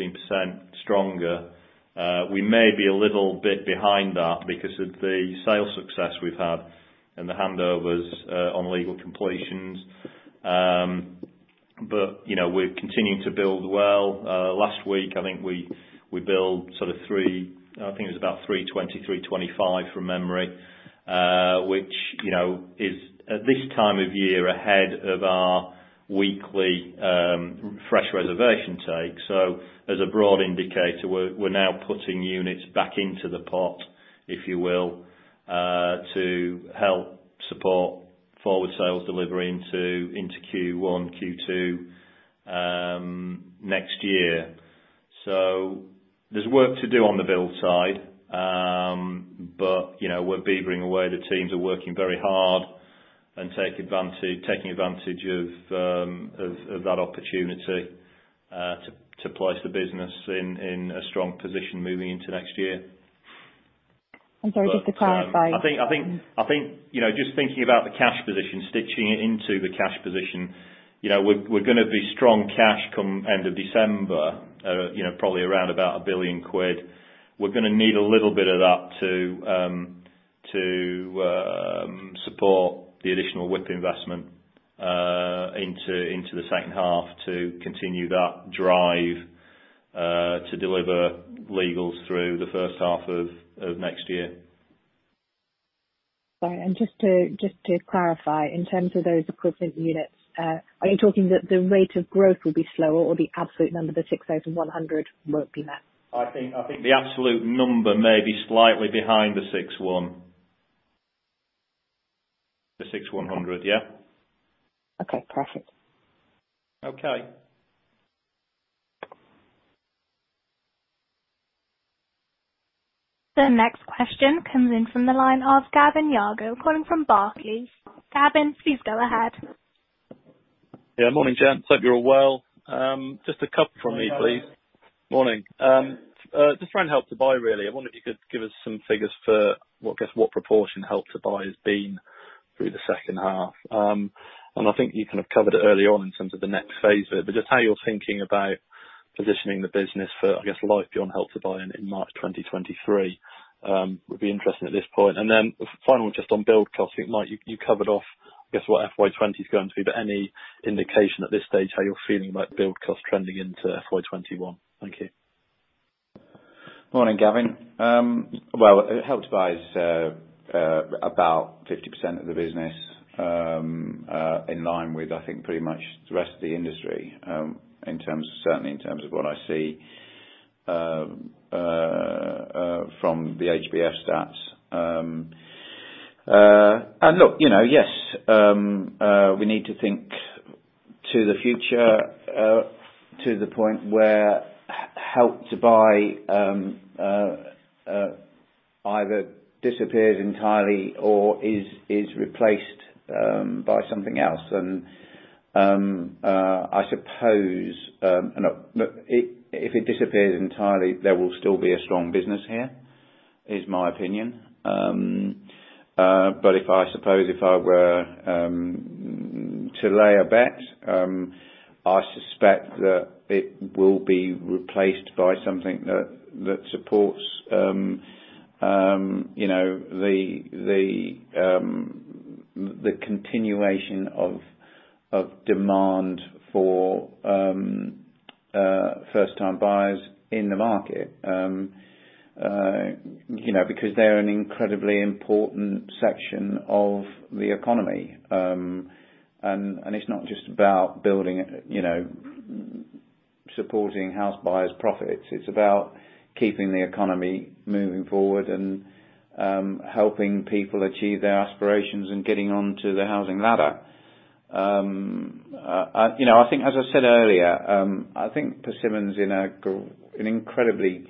stronger. We may be a little bit behind that because of the sales success we've had and the handovers on legal completions. We're continuing to build well. Last week, I think we built sort of 320, 325 from memory, which is, at this time of year, ahead of our weekly fresh reservation take. As a broad indicator, we're now putting units back into the pot, if you will, to help support forward sales delivery into Q1, Q2 next year. There's work to do on the build side. We're beavering away. The teams are working very hard and taking advantage of that opportunity to place the business in a strong position moving into next year. I'm sorry, just to clarify- I think, just thinking about the cash position, stitching it into the cash position, we're going to be strong cash come end of December, probably around about 1 billion quid. We're going to need a little bit of that to support the additional WIP investment into the second half to continue that drive to deliver legals through the first half of next year. Sorry. Just to clarify, in terms of those equivalent units, are you talking that the rate of growth will be slower or the absolute number, the 6,100 won't be met? I think the absolute number may be slightly behind the 61-- The 6,100. Yeah. Okay. Perfect. Okay. The next question comes in from the line of Gavin Jago, calling from Barclays. Gavin, please go ahead. Yeah. Morning, gents. Hope you're all well. Just a couple from me, please. Morning. Morning. Just around Help to Buy, really. I wonder if you could give us some figures for what proportion Help to Buy has been through the second half. I think you kind of covered it early on in terms of the next phase of it, but just how you're thinking about positioning the business for, I guess, life beyond Help to Buy in March 2023, would be interesting at this point. Final, just on build cost, I think, Mike, you covered off, I guess, what FY 2020 is going to be, but any indication at this stage how you're feeling about build cost trending into FY 2021? Thank you. Morning, Gavin. Well, Help to Buy is about 50% of the business, in line with, I think, pretty much the rest of the industry, certainly in terms of what I see from the HBF stats. Look, yes. We need to think to the future, to the point where Help to Buy either disappears entirely or is replaced by something else. I suppose, if it disappears entirely, there will still be a strong business here, is my opinion. I suppose if I were to lay a bet, I suspect that it will be replaced by something that supports the continuation of demand for first-time buyers in the market. They're an incredibly important section of the economy. It's not just about supporting house buyers' profits. It's about keeping the economy moving forward and helping people achieve their aspirations and getting onto the housing ladder. I think as I said earlier, I think Persimmon's in an incredibly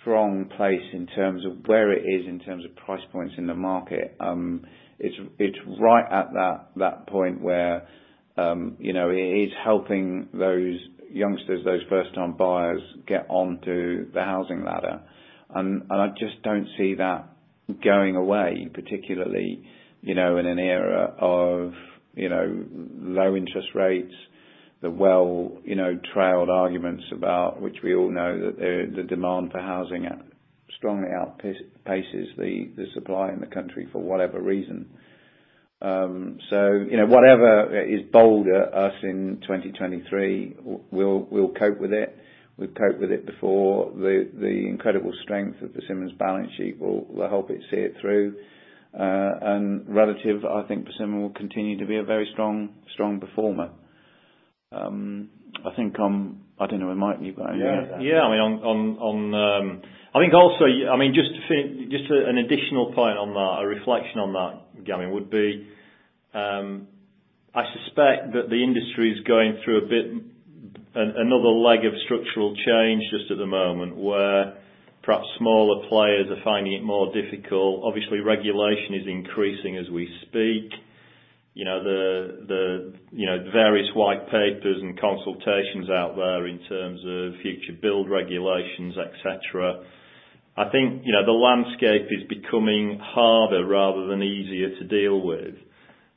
strong place in terms of where it is in terms of price points in the market. It's right at that point where it is helping those youngsters, those first-time buyers get onto the housing ladder. I just don't see that going away, particularly in an era of low interest rates. The well-trailed arguments about which we all know that the demand for housing strongly outpaces the supply in the country for whatever reason. Whatever is befall us in 2023, we'll cope with it. We've coped with it before. The incredible strength of Persimmon's balance sheet will help it see it through. Relative, I think Persimmon will continue to be a very strong performer. I don't know what Mike and you about any of that. Yeah. Just an additional point on that, a reflection on that, Gavin, would be, I suspect that the industry is going through another leg of structural change just at the moment, where perhaps smaller players are finding it more difficult. Obviously, regulation is increasing as we speak. The various white papers and consultations out there in terms of future build regulations, etc. I think the landscape is becoming harder rather than easier to deal with.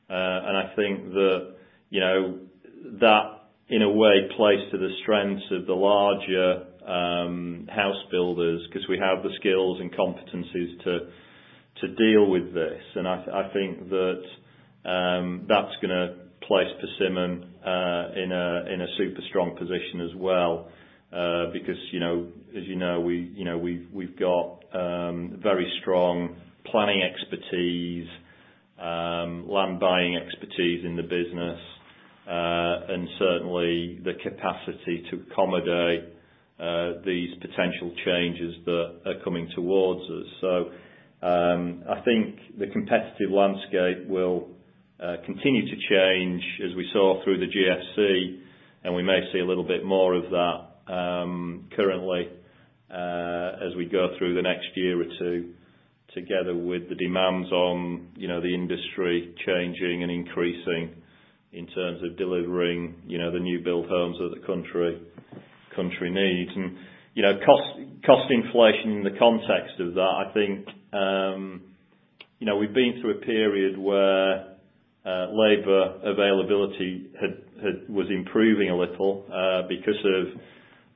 I think that in a way plays to the strengths of the larger house builders because we have the skills and competencies to deal with this. I think that's going to place Persimmon in a super strong position as well because as you know we've got very strong planning expertise, land buying expertise in the business, and certainly the capacity to accommodate these potential changes that are coming towards us. I think the competitive landscape will continue to change as we saw through the GFC, and we may see a little bit more of that currently as we go through the next year or two together with the demands on the industry changing and increasing in terms of delivering the new build homes that the country needs. Cost inflation in the context of that, I think we've been through a period where labor availability was improving a little because of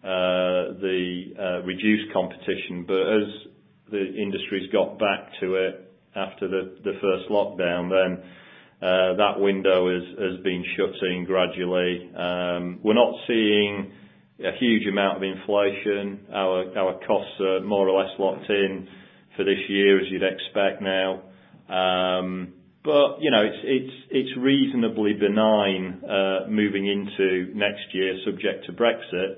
the reduced competition. As the industry's got back to it after the first lockdown, then that window has been shutting gradually. We're not seeing a huge amount of inflation. Our costs are more or less locked in for this year, as you'd expect now. It's reasonably benign moving into next year, subject to Brexit.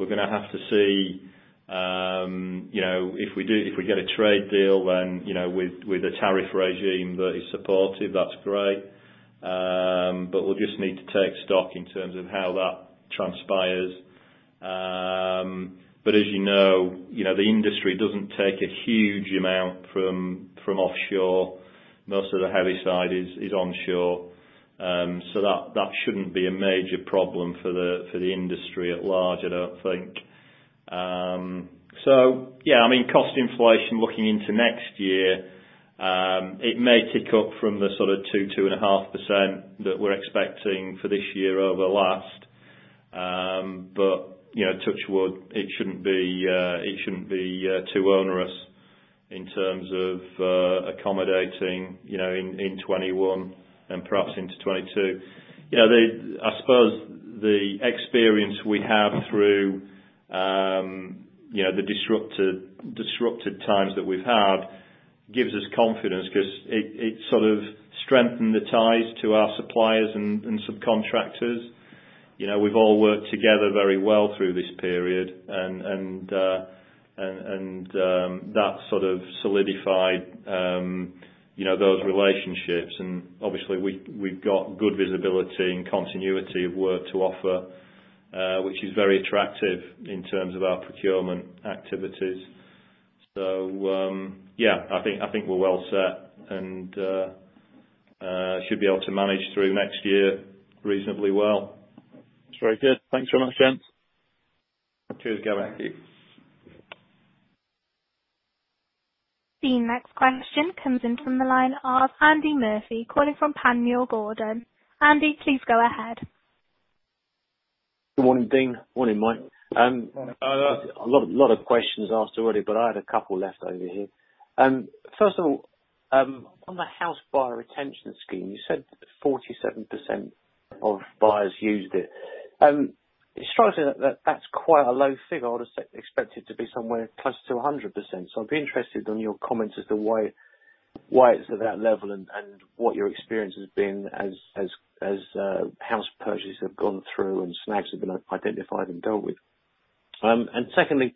We're going to have to see if we get a trade deal with a tariff regime that is supportive, that's great. We'll just need to take stock in terms of how that transpires. As you know, the industry doesn't take a huge amount from offshore. Most of the heavy side is onshore. That shouldn't be a major problem for the industry at large, I don't think. Yeah, cost inflation looking into next year, it may tick up from the sort of 2%, 2.5% that we're expecting for this year over last. Touch wood, it shouldn't be too onerous in terms of accommodating in 2021 and perhaps into 2022. I suppose the experience we have through the disrupted times that we've had gives us confidence because it sort of strengthened the ties to our suppliers and subcontractors. We've all worked together very well through this period, and that sort of solidified those relationships. Obviously, we've got good visibility and continuity of work to offer, which is very attractive in terms of our procurement activities. Yeah, I think we're well set, and should be able to manage through next year reasonably well. That's very good. Thanks very much, gents. Cheers, Gavin. Thank you. The next question comes in from the line of Andy Murphy calling from Panmure Gordon. Andy, please go ahead. Good morning, Dean. Morning, Mike. Morning. A lot of questions asked already. I had a couple left over here. First of all, on the house buyer retention scheme, you said 47% of buyers used it. It strikes me that that's quite a low figure. I would have expected to be somewhere close to 100%. I'd be interested on your comments as to why it's at that level, and what your experience has been as house purchases have gone through and snags have been identified and dealt with. Secondly,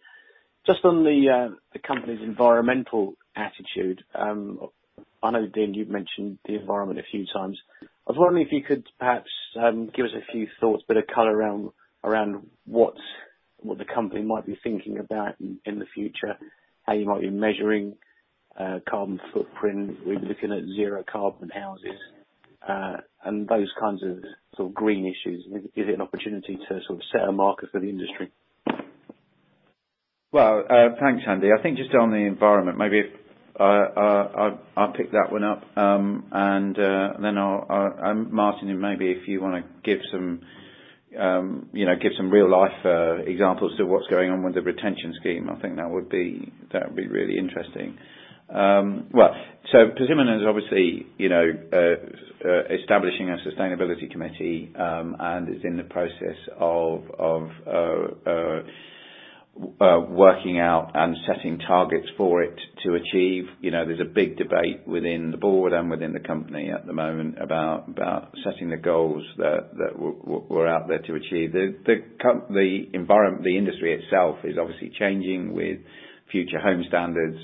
just on the company's environmental attitude. I know, Dean, you've mentioned the environment a few times. I was wondering if you could perhaps give us a few thoughts, a bit of color around what the company might be thinking about in the future, how you might be measuring carbon footprint. Are we looking at zero carbon houses? Those kinds of green issues. Is it an opportunity to sort of set a marker for the industry? Well, thanks, Andy. I think just on the environment, maybe I'll pick that one up, and then Martyn, maybe if you want to give some real-life examples to what's going on with the retention scheme, I think that would be really interesting. Persimmon is obviously establishing a sustainability committee, and is in the process of working out and setting targets for it to achieve. There's a big debate within the board and within the company at the moment about setting the goals that we're out there to achieve. The industry itself is obviously changing with Future Homes Standard,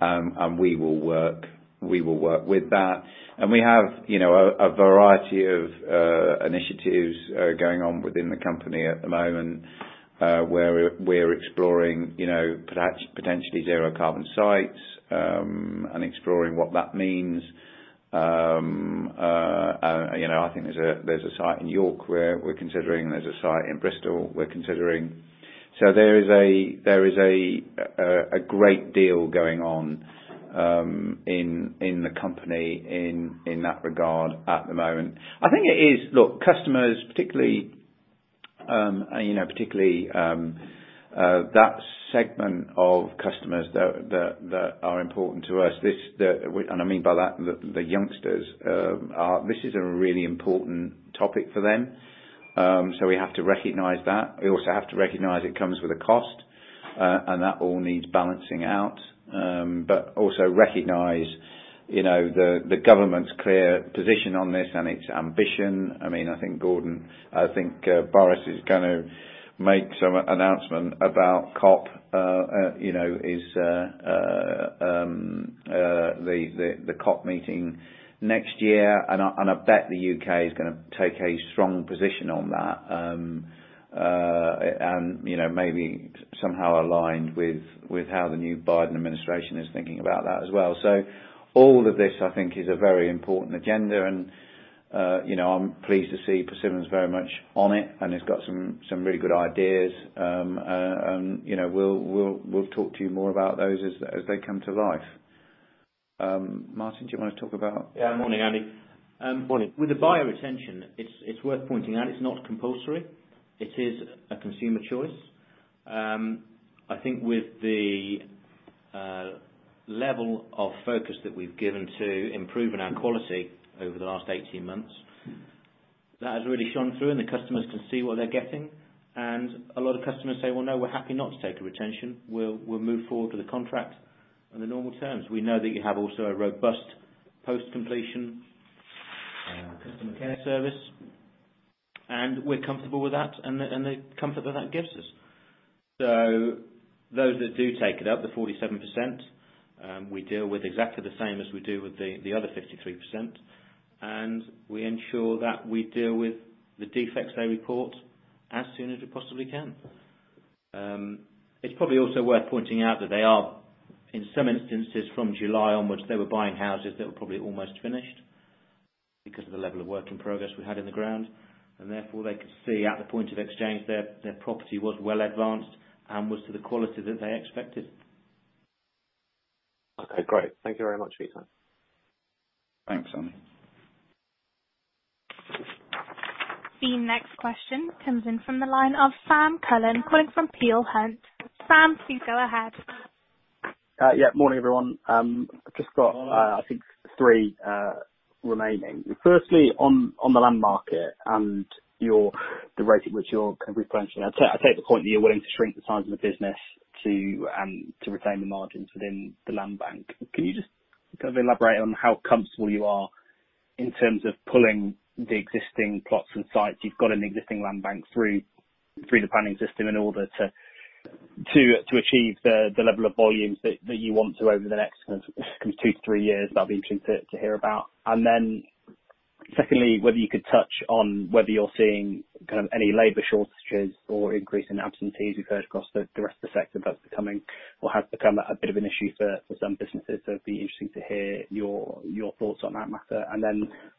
and we will work with that. We have a variety of initiatives going on within the company at the moment. Where we're exploring potentially zero carbon sites, and exploring what that means. I think there's a site in York where we're considering, there's a site in Bristol we're considering. There is a great deal going on in the company in that regard at the moment. Look, customers, particularly that segment of customers that are important to us, and I mean by that, the youngsters. This is a really important topic for them. We have to recognize that. We also have to recognize it comes with a cost. That all needs balancing out. Also recognize the government's clear position on this and its ambition. I think Boris is going to make some announcement about the COP meeting next year, and I bet the U.K. is going to take a strong position on that. Maybe somehow aligned with how the new Biden administration is thinking about that as well. All of this, I think, is a very important agenda, and I'm pleased to see Persimmon is very much on it, and it's got some really good ideas. We'll talk to you more about those as they come to life. Martyn, do you want to talk about? Yeah. Morning, Andy. Morning. With the buyer retention, it's worth pointing out it's not compulsory. It is a consumer choice. I think with the level of focus that we've given to improving our quality over the last 18 months, that has really shone through, and the customers can see what they're getting. A lot of customers say, "Well, no, we're happy not to take a retention. We'll move forward with the contract on the normal terms. We know that you have also a robust post-completion customer care service, and we're comfortable with that, and the comfort that that gives us." Those that do take it up, the 47%, we deal with exactly the same as we do with the other 53%, and we ensure that we deal with the defects they report as soon as we possibly can. It's probably also worth pointing out that they are, in some instances, from July onwards, they were buying houses that were probably almost finished because of the level of work in progress we had in the ground. Therefore, they could see at the point of exchange, their property was well advanced and was to the quality that they expected. Okay, great. Thank you very much for your time. Thanks, Andy. The next question comes in from the line of Sam Cullen calling from Peel Hunt. Sam, please go ahead. Yeah. Morning, everyone. Morning I think, three remaining. Firstly, on the land market and the rate at which you're replenishing. I take the point that you're willing to shrink the size of the business to retain the margins within the land bank. Could you elaborate on how comfortable you are in terms of pulling the existing plots and sites you've got in the existing land bank through the planning system in order to achieve the level of volumes that you want to over the next two to three years? That'd be interesting to hear about. Secondly, whether you could touch on whether you're seeing any labor shortages or increase in absentees. We've heard across the rest of the sector that's becoming or has become a bit of an issue for some businesses. It'd be interesting to hear your thoughts on that matter.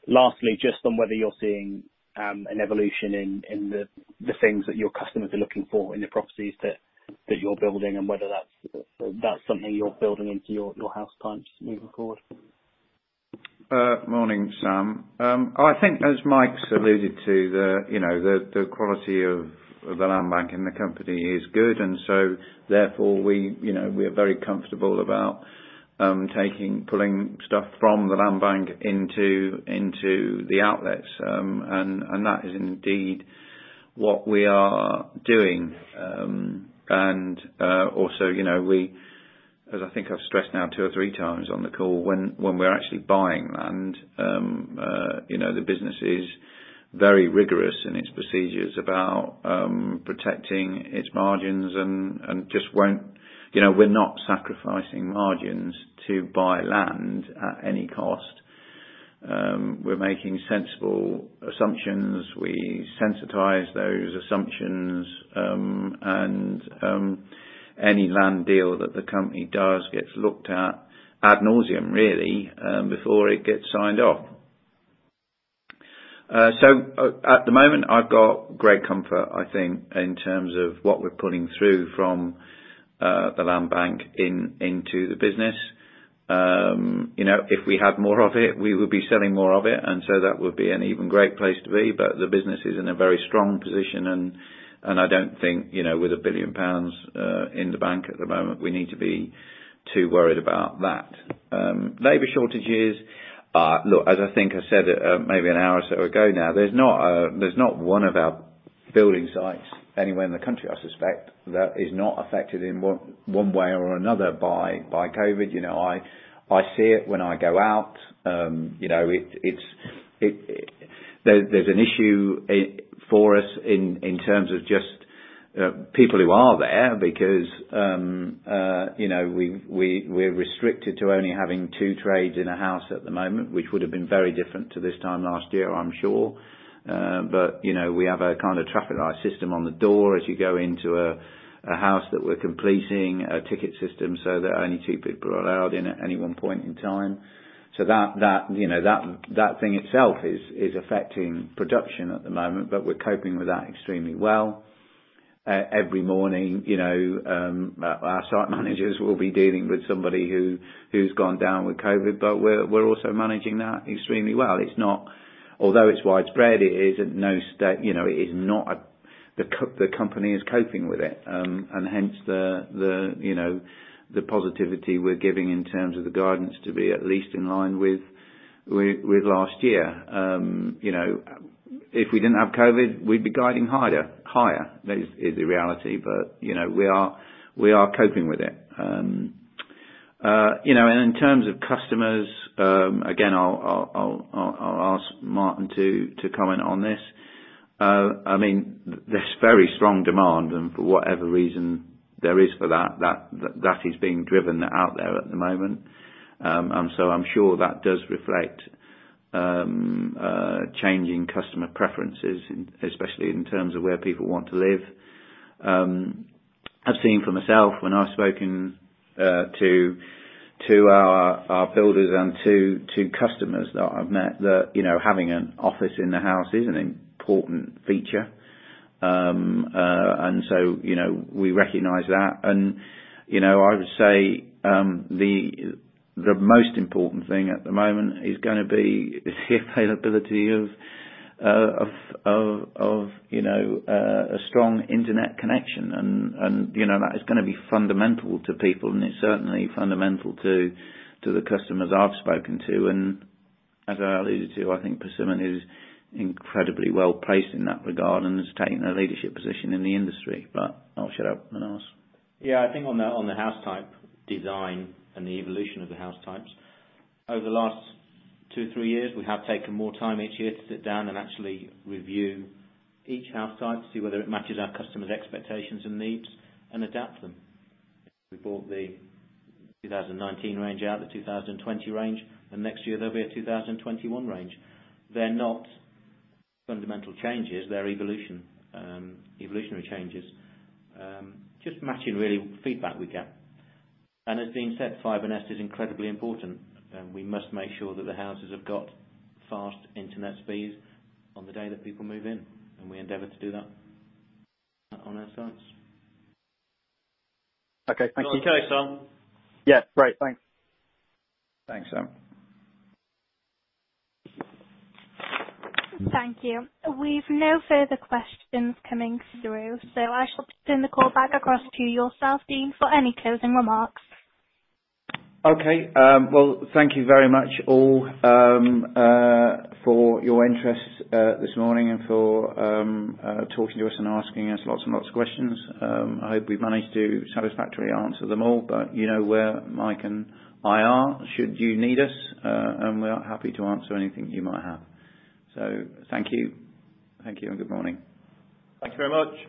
Lastly, just on whether you're seeing an evolution in the things that your customers are looking for in the properties that you're building, and whether that's something you're building into your house types moving forward. Morning, Sam. I think as Mike's alluded to, the quality of the land bank in the company is good, and so therefore we are very comfortable about pulling stuff from the land bank into the outlets. That is indeed what we are doing. Also we, as I think I've stressed now two or three times on the call, when we're actually buying land, the business is very rigorous in its procedures about protecting its margins and just We're not sacrificing margins to buy land at any cost. We're making sensible assumptions. We sensitize those assumptions, and any land deal that the company does gets looked at ad nauseam, really, before it gets signed off. At the moment, I've got great comfort, I think, in terms of what we're pulling through from the land bank into the business. If we had more of it, we would be selling more of it, that would be an even great place to be. The business is in a very strong position, I don't think, with 1 billion pounds in the bank at the moment, we need to be too worried about that. Labor shortages. Look, as I think I said maybe an hour or so ago now, there's not one of our building sites anywhere in the country, I suspect, that is not affected in one way or another by COVID. I see it when I go out. There's an issue for us in terms of just people who are there because we're restricted to only having two trades in a house at the moment, which would have been very different to this time last year, I'm sure. We have a kind of traffic light system on the door as you go into a house that we're completing, a ticket system so that only two people are allowed in at any one point in time. That thing itself is affecting production at the moment, but we're coping with that extremely well. Every morning our site managers will be dealing with somebody who's gone down with COVID, but we're also managing that extremely well. Although it's widespread, the company is coping with it, and hence the positivity we're giving in terms of the guidance to be at least in line with last year. If we didn't have COVID, we'd be guiding higher. That is the reality. We are coping with it. In terms of customers, again, I'll ask Martyn to comment on this. There's very strong demand, and for whatever reason there is for that is being driven out there at the moment. I'm sure that does reflect changing customer preferences, especially in terms of where people want to live. I've seen for myself when I've spoken to our builders and to customers that I've met that having an office in the house is an important feature. We recognize that and I would say the most important thing at the moment is going to be, is the availability of a strong internet connection. That is going to be fundamental to people and it's certainly fundamental to the customers I've spoken to. As I alluded to, I think Persimmon is incredibly well-placed in that regard and has taken a leadership position in the industry. I'll shut up and ask. Yeah, I think on the house type design and the evolution of the house types, over the last two, three years, we have taken more time each year to sit down and actually review each house type to see whether it matches our customers' expectations and needs and adapt them. We brought the 2019 range out, the 2020 range, next year there'll be a 2021 range. They're not fundamental changes, they're evolutionary changes. Just matching really feedback we get. As Dean said, FibreNest is incredibly important. We must make sure that the houses have got fast internet speeds on the day that people move in, and we endeavor to do that on our sites. Okay. Thank you. Okay, Sam. Yeah. Great. Thanks. Thanks, Sam. Thank you. We've no further questions coming through, so I shall turn the call back across to yourself, Dean, for any closing remarks. Okay. Well, thank you very much all for your interest this morning and for talking to us and asking us lots and lots of questions. I hope we've managed to satisfactorily answer them all, but you know where Mike and I are should you need us, and we are happy to answer anything you might have. Thank you. Thank you and good morning. Thank you very much.